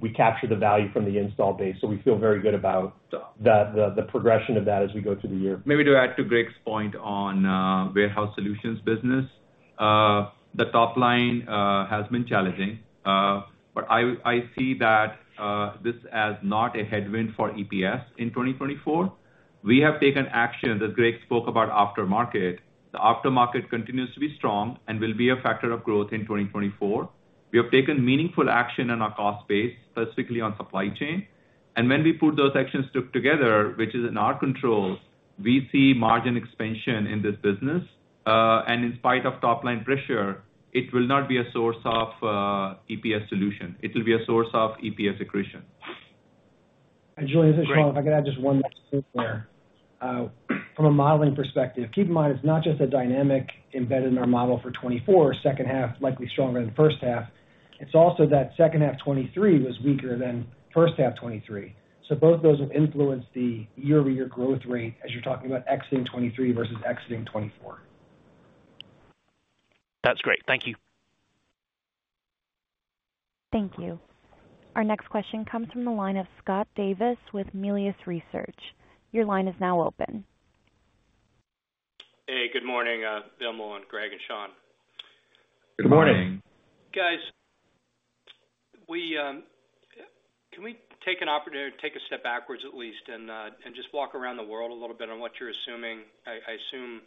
we capture the value from the install base. So we feel very good about the progression of that as we go through the year. Maybe to add to Greg's point on Warehouse Solutions business, the top line has been challenging. But I see that this as not a headwind for EPS in 2024. We have taken action, as Greg spoke about, aftermarket. The aftermarket continues to be strong and will be a factor of growth in 2024. We have taken meaningful action on our cost base, specifically on supply chain. And when we put those actions took together, which is in our control, we see margin expansion in this business. And in spite of top-line pressure, it will not be a source of EPS dilution. It will be a source of EPS accretion. Julian, this is Sean. If I could add just one more thing there. From a modeling perspective, keep in mind it's not just a dynamic embedded in our model for 2024, second half, likely stronger than the first half. It's also that second half 2023 was weaker than first half 2023. So both those have influenced the year-over-year growth rate as you're talking about exiting 2023 versus exiting 2024. That's great. Thank you. Thank you. Our next question comes from the line of Scott Davis with Melius Research. Your line is now open. Hey, good morning, Vimal and Greg and Sean. Good morning. Good morning. Guys, we can we take an opportunity to take a step backwards at least, and, and just walk around the world a little bit on what you're assuming? I assume,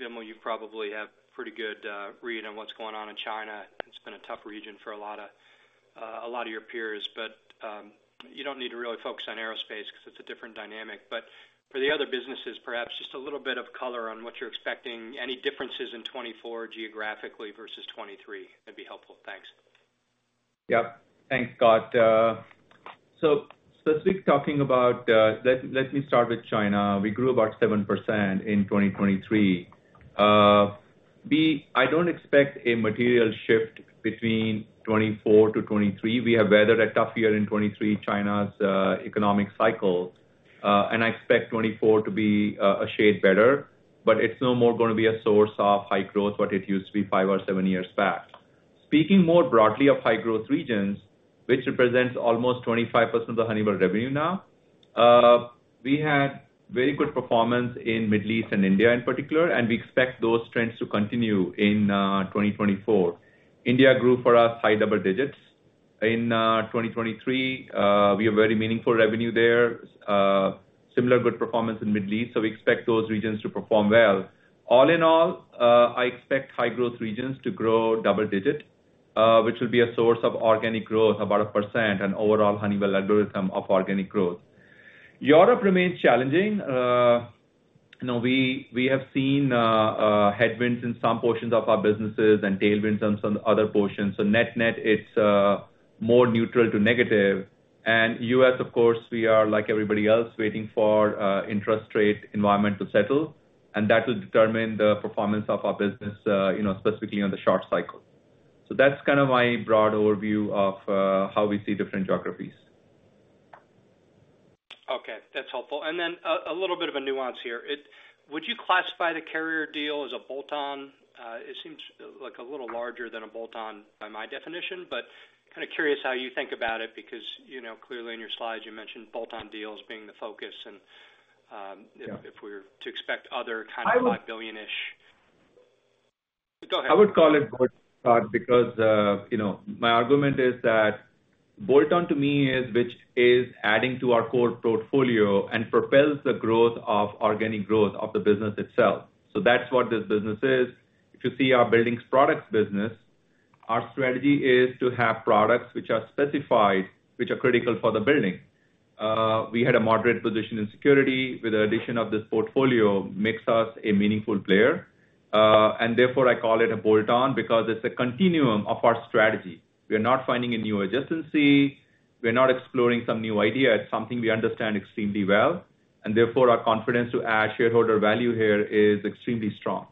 Vimal, you probably have pretty good read on what's going on in China. It's been a tough region for a lot of a lot of your peers, but you don't need to really focus on aerospace because it's a different dynamic. But for the other businesses, perhaps just a little bit of color on what you're expecting. Any differences in 2024 geographically versus 2023? That'd be helpful. Thanks. Yep. Thanks, Scott. So specifically talking about, let me start with China. We grew about 7% in 2023. I don't expect a material shift between 2024 to 2023. We have weathered a tough year in 2023, China's economic cycle, and I expect 2024 to be a shade better, but it's no more going to be a source of high growth, what it used to be five or seven years back. Speaking more broadly of high growth regions, which represents almost 25% of the Honeywell revenue now, we had very good performance in Middle East and India in particular, and we expect those trends to continue in 2024. India grew for us high double digits. In 2023, we have very meaningful revenue there, similar good performance in Middle East, so we expect those regions to perform well. All in all, I expect high growth regions to grow double digit, which will be a source of organic growth, about 1%, and overall Honeywell algorithm of organic growth. Europe remains challenging. You know, we have seen headwinds in some portions of our businesses and tailwinds on some other portions. So net-net, it's more neutral to negative. And U.S., of course, we are like everybody else, waiting for interest rate environment to settle, and that will determine the performance of our business, you know, specifically on the short cycle. So that's kind of my broad overview of how we see different geographies. Okay, that's helpful. And then a little bit of a nuance here. Would you classify the Carrier deal as a bolt-on? It seems like a little larger than a bolt-on by my definition, but kind of curious how you think about it, because, you know, clearly in your slides you mentioned bolt-on deals being the focus. And Yeah. -if we're to expect other kind of $5 billion-ish... Go ahead. I would call it bolt-on because, you know, my argument is that bolt-on to me is which is adding to our core portfolio and propels the growth of organic growth of the business itself. So that's what this business is. If you see our Building Products business, our strategy is to have products which are specified, which are critical for the building. We had a moderate position in Security with the addition of this portfolio, makes us a meaningful player, and therefore I call it a bolt-on because it's a continuum of our strategy. We are not finding a new adjacency, we're not exploring some new idea. It's something we understand extremely well, and therefore, our confidence to add shareholder value here is extremely strong.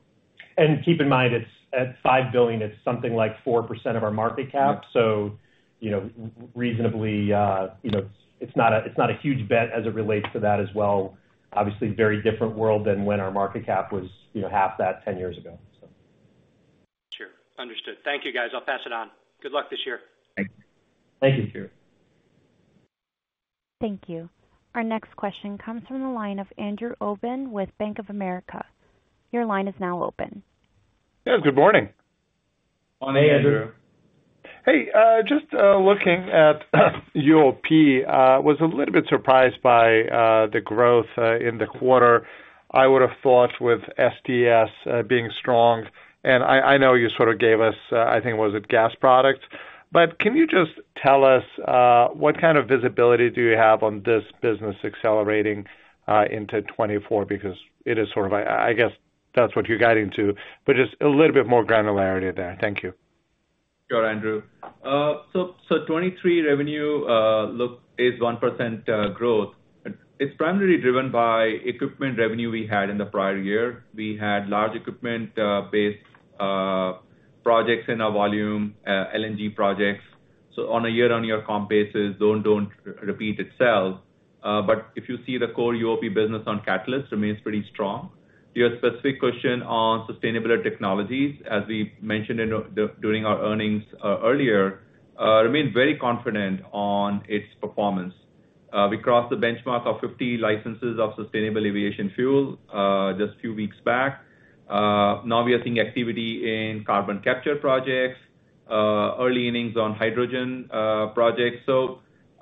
Keep in mind, it's at $5 billion, it's something like 4% of our market cap. So you know, reasonably, you know, it's not a, it's not a huge bet as it relates to that as well. Obviously, very different world than when our market cap was, you know, half that 10 years ago, so. Sure. Understood. Thank you, guys. I'll pass it on. Good luck this year. Thank you. Thank you, Scott. Thank you. Our next question comes from the line of Andrew Obin with Bank of America. Your line is now open. Yeah, good morning. Good morning, Andrew. Hey, Andrew. Hey, just looking at UOP, was a little bit surprised by the growth in the quarter. I would have thought with STS being strong, and I know you sort of gave us, I think, was it gas products? But can you just tell us what kind of visibility do you have on this business accelerating into 2024? Because it is sort of... I guess that's what you're guiding to, but just a little bit more granularity there. Thank you. Sure, Andrew. So, 2023 revenue look is 1% growth. It's primarily driven by equipment revenue we had in the prior year. We had large equipment based projects in our volume LNG projects. So on a year-on-year comp basis, don't repeat itself. But if you see the core UOP business on catalyst remains pretty strong. Your specific question on Sustainable Technologies, as we mentioned during our earnings earlier, remain very confident on its performance. We crossed the benchmark of 50 licenses of sustainable aviation fuel just a few weeks back. Now we are seeing activity in carbon capture projects, early innings on hydrogen projects.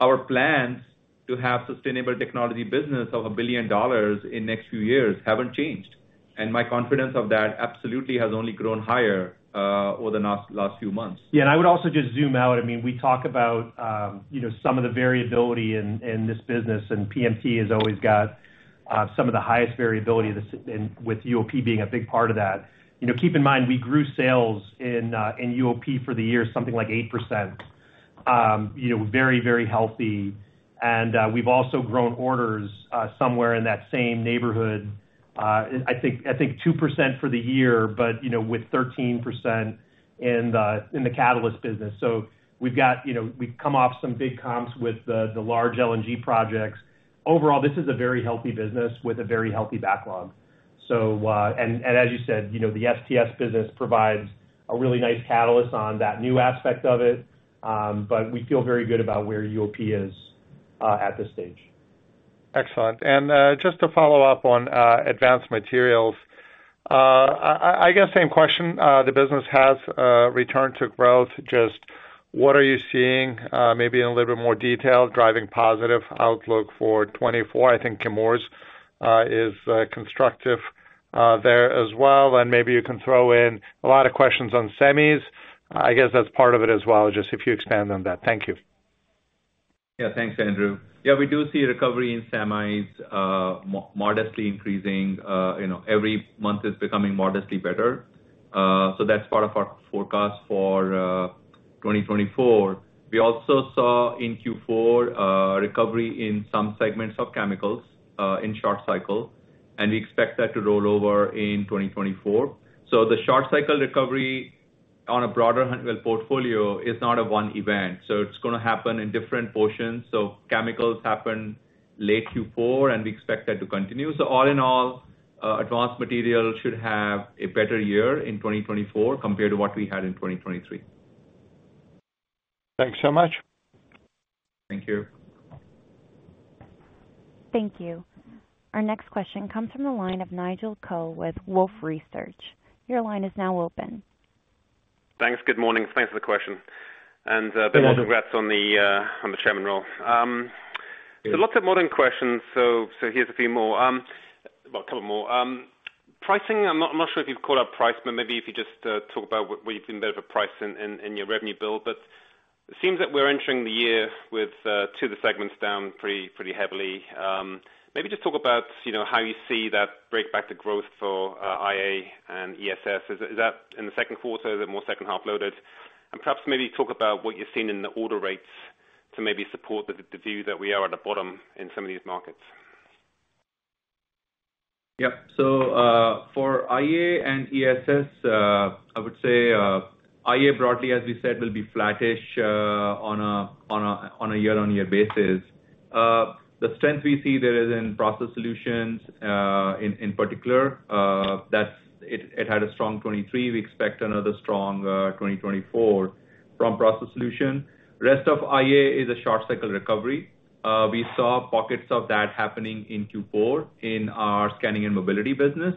Our plans to have Sustainable Technology business of $1 billion in next few years haven't changed, and my confidence of that absolutely has only grown higher over the last few months. Yeah, and I would also just zoom out. I mean, we talk about, you know, some of the variability in this business, and PMT has always got some of the highest variability and with UOP being a big part of that. You know, keep in mind, we grew sales in UOP for the year, something like 8%. You know, very, very healthy. And we've also grown orders somewhere in that same neighborhood. I think 2% for the year, but, you know, with 13% in the catalyst business. So we've got, you know, we've come off some big comps with the large LNG projects. Overall, this is a very healthy business with a very healthy backlog. So, as you said, you know, the STS business provides a really nice catalyst on that new aspect of it. But we feel very good about where UOP is at this stage. Excellent. And, just to follow up on, Advanced Materials, I guess same question. The business has returned to growth. Just what are you seeing, maybe in a little bit more detail, driving positive outlook for 2024? I think Chemours is constructive there as well. And maybe you can throw in a lot of questions on semis. I guess that's part of it as well, just if you expand on that. Thank you. Yeah, thanks, Andrew. Yeah, we do see recovery in semis, modestly increasing. You know, every month is becoming modestly better. So that's part of our forecast for 2024. We also saw in Q4 recovery in some segments of chemicals, in short cycle, and we expect that to roll over in 2024. So the short cycle recovery on a broader Honeywell portfolio is not a one event, so it's gonna happen in different portions. So chemicals happen late Q4, and we expect that to continue. So all in all, Advanced Materials should have a better year in 2024 compared to what we had in 2023. Thanks so much. Thank you. Thank you. Our next question comes from the line of Nigel Coe with Wolfe Research. Your line is now open. Thanks. Good morning. Thanks for the question, and- Yeah Congrats on the, on the chairman role. So lots of modeling questions, so, so here's a few more. Well, a couple more. Pricing, I'm not, I'm not sure if you've called out price, but maybe if you just, talk about what you've done with a price in, in, in your revenue build. But it seems that we're entering the year with, two of the segments down pretty, pretty heavily. Maybe just talk about, you know, how you see that break back to growth for, IA and ESS. Is that in the second quarter, the more second half loaded? And perhaps maybe talk about what you're seeing in the order rates to maybe support the view that we are at the bottom in some of these markets. Yeah. So, for IA and ESS, I would say, IA, broadly, as we said, will be flattish, on a year-on-year basis. The strength we see there is in Process Solutions, in particular, it had a strong 2023. We expect another strong 2024 from Process Solutions. Rest of IA is a short cycle recovery. We saw pockets of that happening in Q4 in our Scanning and Mobility business.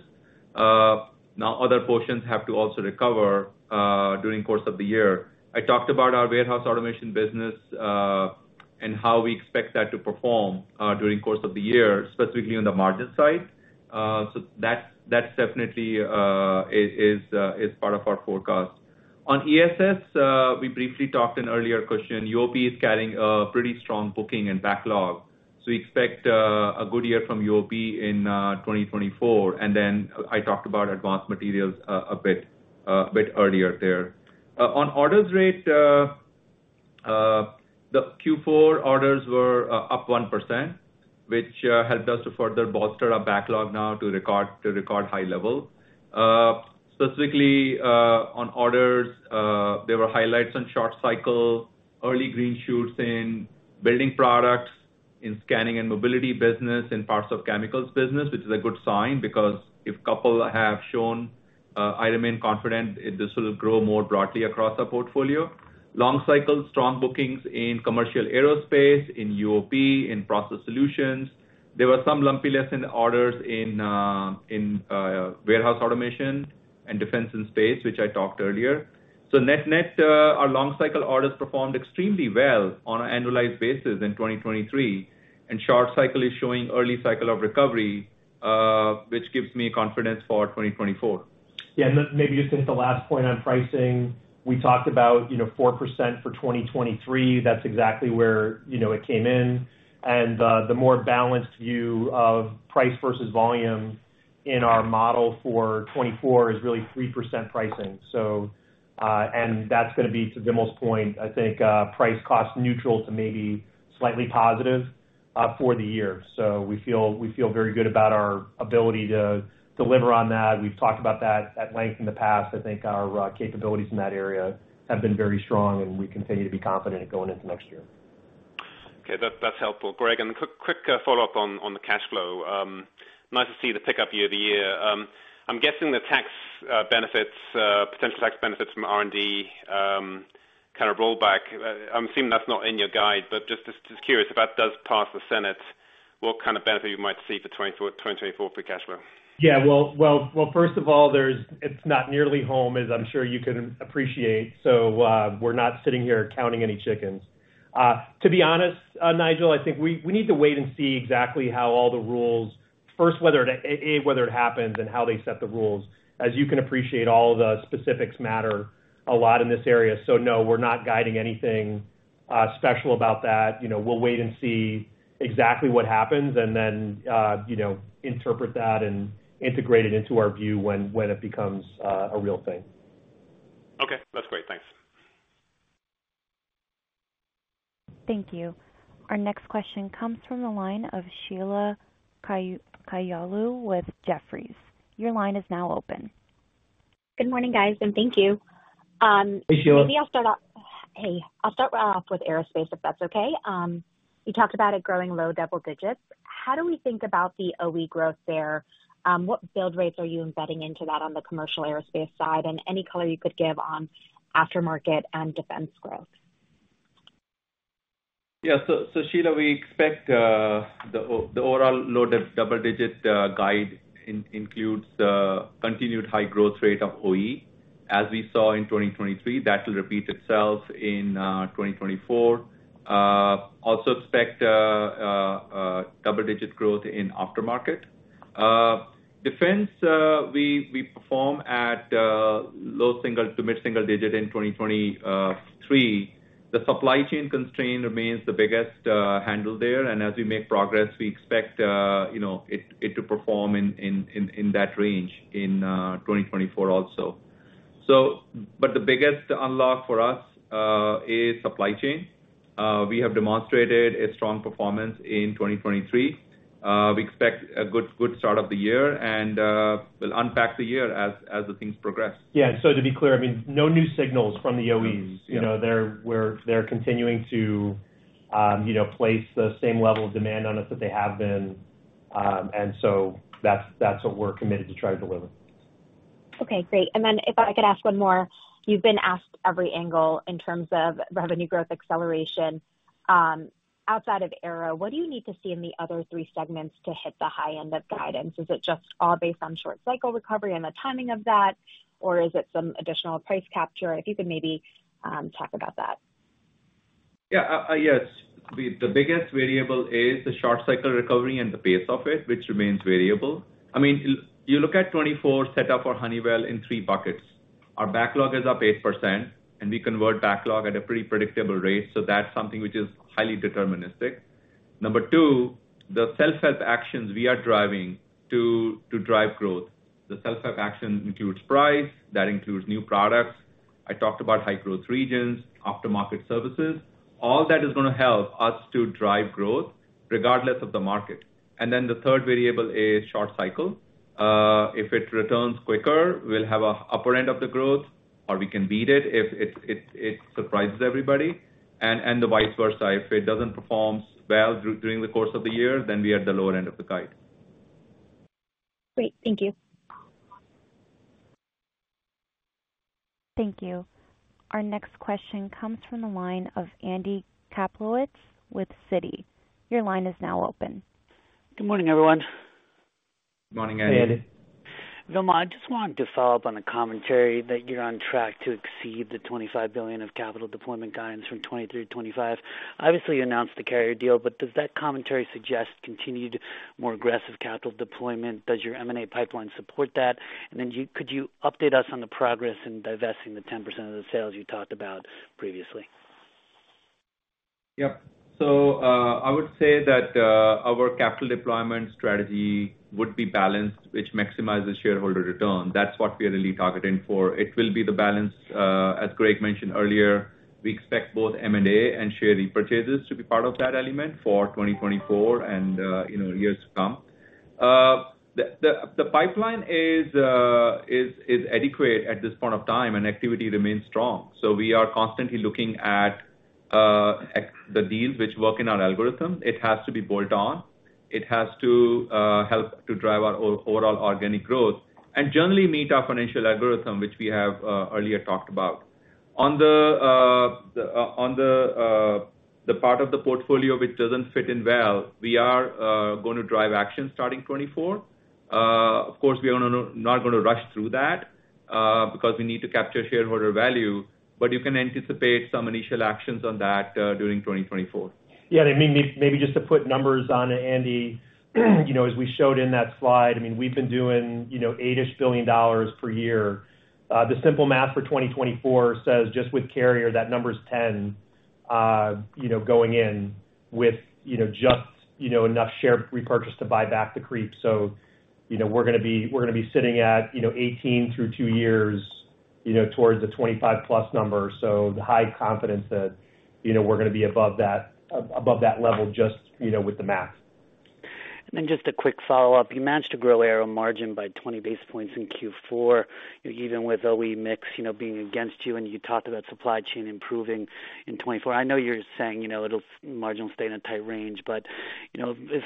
Now, other portions have to also recover during course of the year. I talked about our warehouse automation business and how we expect that to perform during course of the year, specifically on the margin side. So that's definitely part of our forecast. On ESS, we briefly talked in earlier question, UOP is carrying a pretty strong booking and backlog, so we expect a good year from UOP in 2024. And then I talked about Advanced Materials a bit earlier there. On orders rate, the Q4 orders were up 1%, which helped us to further bolster our backlog now to record high level. Specifically, on orders, there were highlights on short cycle, early green shoots in Building Products, in Scanning and Mobility business, in parts of chemicals business, which is a good sign, because if couple have shown, I remain confident this will grow more broadly across our portfolio. Long cycle, strong bookings in commercial aerospace, in UOP, in Process Solutions. There were some lumpiness in the orders in warehouse automation and Defense & Space, which I talked earlier. So net, net, our long cycle orders performed extremely well on an annualized basis in 2023, and short cycle is showing early cycle of recovery, which gives me confidence for 2024. Yeah, and then maybe just hit the last point on pricing. We talked about, you know, 4% for 2023. That's exactly where, you know, it came in. The more balanced view of price versus volume in our model for 2024 is really 3% pricing. So, and that's gonna be, to Vimal's point, I think, price-cost neutral to maybe slightly positive, for the year. So we feel, we feel very good about our ability to deliver on that. We've talked about that at length in the past. I think our capabilities in that area have been very strong, and we continue to be confident going into next year. Okay, that's helpful, Greg. And quick, quick follow-up on the cash flow.... Nice to see the pickup year, the year. I'm guessing the tax benefits, potential tax benefits from R&D, kind of roll back. I'm assuming that's not in your guide, but just curious, if that does pass the Senate, what kind of benefit you might see for 2024 for cash flow? Yeah, well, first of all, there's, it's not nearly home, as I'm sure you can appreciate, so, we're not sitting here counting any chickens. To be honest, Nigel, I think we need to wait and see exactly how all the rules—first, whether it happens and how they set the rules. As you can appreciate, all the specifics matter a lot in this area. So no, we're not guiding anything special about that. You know, we'll wait and see exactly what happens and then, you know, interpret that and integrate it into our view when it becomes a real thing. Okay, that's great. Thanks. Thank you. Our next question comes from the line of Sheila Kahyaoglu with Jefferies. Your line is now open. Good morning, guys, and thank you. Hey, Sheila. Hey, I'll start off with aerospace, if that's okay. You talked about it growing low double digits. How do we think about the OE growth there? What build rates are you embedding into that on the commercial Aerospace side? And any color you could give on aftermarket and defense growth. Yeah. So, Sheila, we expect the overall loaded double-digit guide includes continued high growth rate of OE, as we saw in 2023. That will repeat itself in 2024. Also expect double-digit growth in aftermarket. Defense, we perform at low single- to mid-single-digit in 2023. The supply chain constraint remains the biggest handle there, and as we make progress, we expect, you know, it to perform in that range in 2024 also. So, but the biggest unlock for us is supply chain. We have demonstrated a strong performance in 2023. We expect a good start of the year, and we'll unpack the year as the things progress. Yeah, so to be clear, I mean, no new signals from the OEs. Yeah. You know, they're continuing to, you know, place the same level of demand on us that they have been. And so that's what we're committed to try to deliver. Okay, great. Then if I could ask one more. You've been asked every angle in terms of revenue growth acceleration. Outside of Aero, what do you need to see in the other three segments to hit the high end of guidance? Is it just all based on short cycle recovery and the timing of that, or is it some additional price capture? If you could maybe talk about that. Yeah, yes. The biggest variable is the short cycle recovery and the pace of it, which remains variable. I mean, you look at 2024 setup for Honeywell in three buckets. Our backlog is up 8%, and we convert backlog at a pretty predictable rate, so that's something which is highly deterministic. Number two, the self-help actions we are driving to drive growth. The self-help action includes price, that includes new products. I talked about high growth regions, aftermarket services. All that is going to help us to drive growth regardless of the market. And then the third variable is short cycle. If it returns quicker, we'll have the upper end of the growth, or we can beat it if it surprises everybody, and the vice versa. If it doesn't perform well during the course of the year, then we are at the lower end of the guide. Great. Thank you. Thank you. Our next question comes from the line of Andy Kaplowitz with Citi. Your line is now open.. Good morning, everyone. Morning, Andy. Hey, Andy. Vimal, I just wanted to follow up on a commentary that you're on track to exceed the $25 billion of capital deployment guidance from 2023 to 2025. Obviously, you announced the Carrier deal, but does that commentary suggest continued, more aggressive capital deployment? Does your M&A pipeline support that? And then you, could you update us on the progress in divesting the 10% of the sales you talked about previously? Yep. So, I would say that, our capital deployment strategy would be balanced, which maximizes shareholder return. That's what we are really targeting for. It will be the balance, as Greg mentioned earlier, we expect both M&A and share repurchases to be part of that element for 2024 and, you know, years to come. The pipeline is adequate at this point of time, and activity remains strong. So we are constantly looking at the deals which work in our algorithm. It has to be bolt on. It has to help to drive our overall organic growth and generally meet our financial algorithm, which we have earlier talked about. On the part of the portfolio which doesn't fit in well, we are going to drive action starting 2024. Of course, we are not going to rush through that, because we need to capture shareholder value, but you can anticipate some initial actions on that, during 2024. Yeah, I mean, maybe just to put numbers on it, Andy, you know, as we showed in that slide, I mean, we've been doing, you know, $8-ish billion per year. The simple math for 2024 says just with Carrier, that number's $10 billion, you know, going in with, you know, just, you know, enough share repurchase to buy back the creep. So, you know, we're gonna be, we're gonna be sitting at, you know, 18 through two years, you know, towards the 25+ number. So the high confidence that, you know, we're gonna be above that, above that level, just, you know, with the math. Then just a quick follow-up. You managed to grow Aero margin by 20 basis points in Q4, even with OE mix, you know, being against you, and you talked about supply chain improving in 2024. I know you're saying, you know, it'll, margin will stay in a tight range, but, you know, if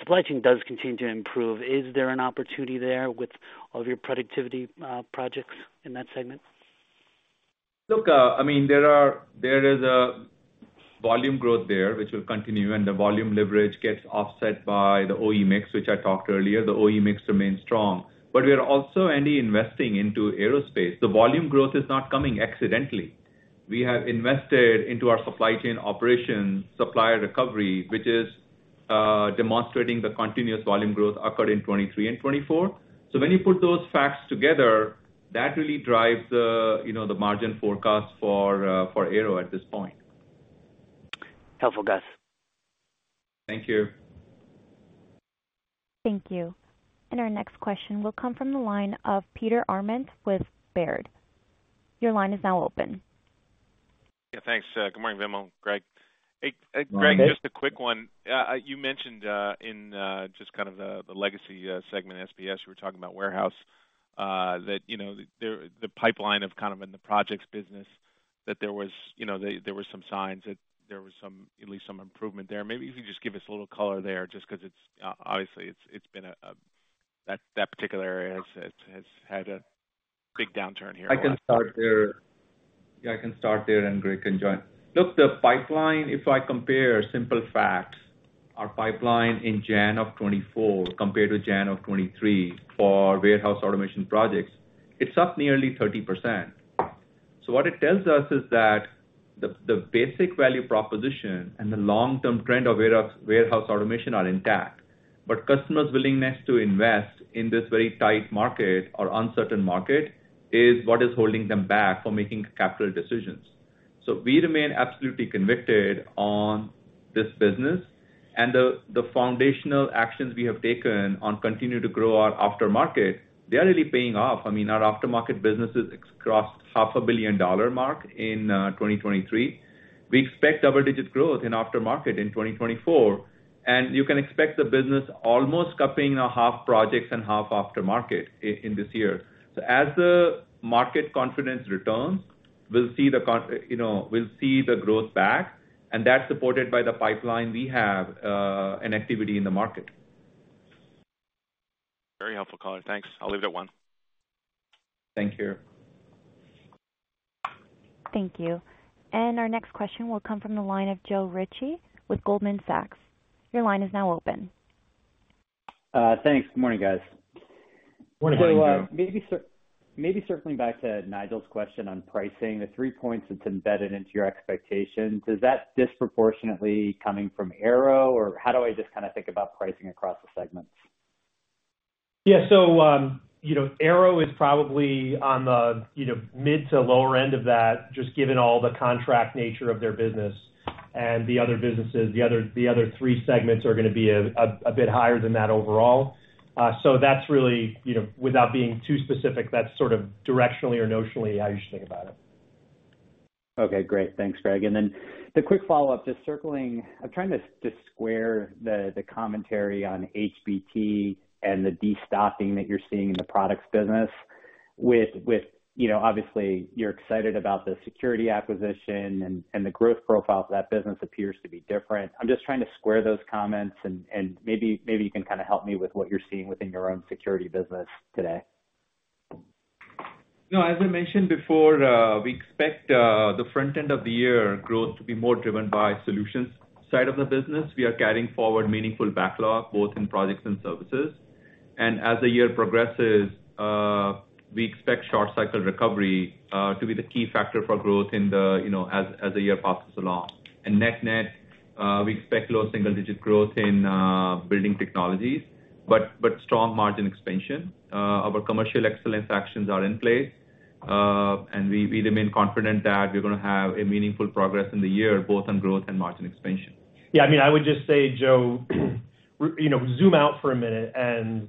supply chain does continue to improve, is there an opportunity there with all of your productivity projects in that segment? Look, I mean, there is a volume growth there, which will continue, and the volume leverage gets offset by the OE mix, which I talked earlier. The OE mix remains strong, but we are also, Andy, investing into Aerospace. The volume growth is not coming accidentally. We have invested into our supply chain operations, supplier recovery, which is demonstrating the continuous volume growth occurred in 2023 and 2024. So when you put those facts together, that really drives the, you know, the margin forecast for Aerospace at this point. Helpful, guys. Thank you. Thank you. Our next question will come from the line of Peter Arment with Baird. Your line is now open. Yeah, thanks. Good morning, Vimal, Greg. Good morning. Hey, Greg, just a quick one. You mentioned in just kind of the legacy segment, SPS, you were talking about warehouse that you know the pipeline of kind of in the projects business, that there was you know there were some signs that there was some at least some improvement there. Maybe you can just give us a little color there, just because it's obviously it's been a that particular area has had a big downturn here. I can start there. Yeah, I can start there, and Greg can join. Look, the pipeline, if I compare simple facts, our pipeline in January of 2024 compared to January of 2023 for warehouse automation projects, it's up nearly 30%. So what it tells us is that the basic value proposition and the long-term trend of warehouse automation are intact, but customers' willingness to invest in this very tight market or uncertain market is what is holding them back from making capital decisions. So we remain absolutely convicted on this business and the foundational actions we have taken on continue to grow our aftermarket. They are really paying off. I mean, our aftermarket businesses crossed $500 million mark in 2023. We expect double-digit growth in aftermarket in 2024, and you can expect the business almost half projects and half aftermarket in this year. So as the market confidence returns, we'll see the growth back. You know, we'll see the growth back, and that's supported by the pipeline we have, and activity in the market. Very helpful color. Thanks. I'll leave it at one. Thank you. Thank you. Our next question will come from the line of Joe Ritchie with Goldman Sachs. Your line is now open. Thanks. Good morning, guys. Morning. Maybe circling back to Nigel's question on pricing, the three points that's embedded into your expectations, is that disproportionately coming from Aero, or how do I just kind of think about pricing across the segments? Yeah, so, you know, Aero is probably on the, you know, mid to lower end of that, just given all the contract nature of their business and the other businesses, the other three segments are gonna be a bit higher than that overall. So that's really, you know, without being too specific, that's sort of directionally or notionally how you should think about it. Okay, great. Thanks, Greg. Then the quick follow-up, just circling. I'm trying to square the commentary on HBT and the destocking that you're seeing in the products business with, you know, obviously, you're excited about the Security acquisition and the growth profile for that business appears to be different. I'm just trying to square those comments and maybe you can kind of help me with what you're seeing within your own Security business today. No, as I mentioned before, we expect the front end of the year growth to be more driven by solutions side of the business. We are carrying forward meaningful backlog, both in projects and services, and as the year progresses, we expect short cycle recovery to be the key factor for growth in the, you know, as the year passes along. And net-net, we expect low single-digit growth in building technologies, but strong margin expansion. Our commercial excellence actions are in place, and we remain confident that we're gonna have meaningful progress in the year, both on growth and margin expansion. Yeah, I mean, I would just say, Joe, you know, zoom out for a minute, and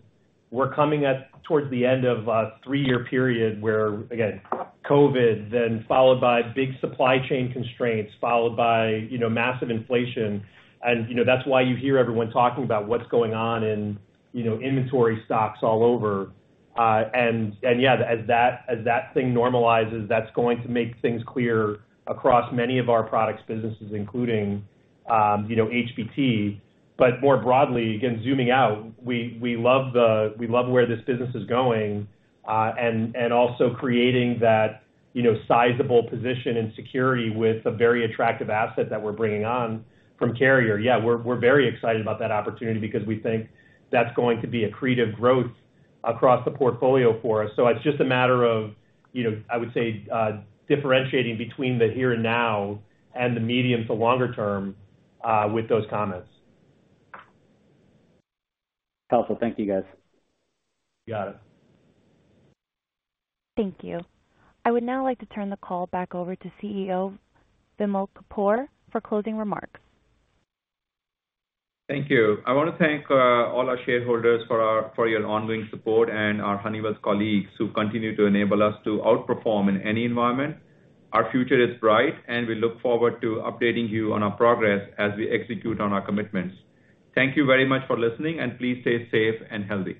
we're coming at towards the end of a three-year period where, again, COVID, then followed by big supply chain constraints, followed by, you know, massive inflation. And, you know, that's why you hear everyone talking about what's going on in, you know, inventory stocks all over. And yeah, as that thing normalizes, that's going to make things clear across many of our products businesses, including, you know, HBT. But more broadly, again, zooming out, we love where this business is going, and also creating that, you know, sizable position in security with a very attractive asset that we're bringing on from Carrier. Yeah, we're very excited about that opportunity because we think that's going to be accretive growth across the portfolio for us. So it's just a matter of, you know, I would say, differentiating between the here and now and the medium to longer term with those comments. Helpful. Thank you, guys. Got it. Thank you. I would now like to turn the call back over to CEO, Vimal Kapur, for closing remarks. Thank you. I want to thank all our shareholders for your ongoing support and our Honeywell colleagues who continue to enable us to outperform in any environment. Our future is bright, and we look forward to updating you on our progress as we execute on our commitments. Thank you very much for listening, and please stay safe and healthy.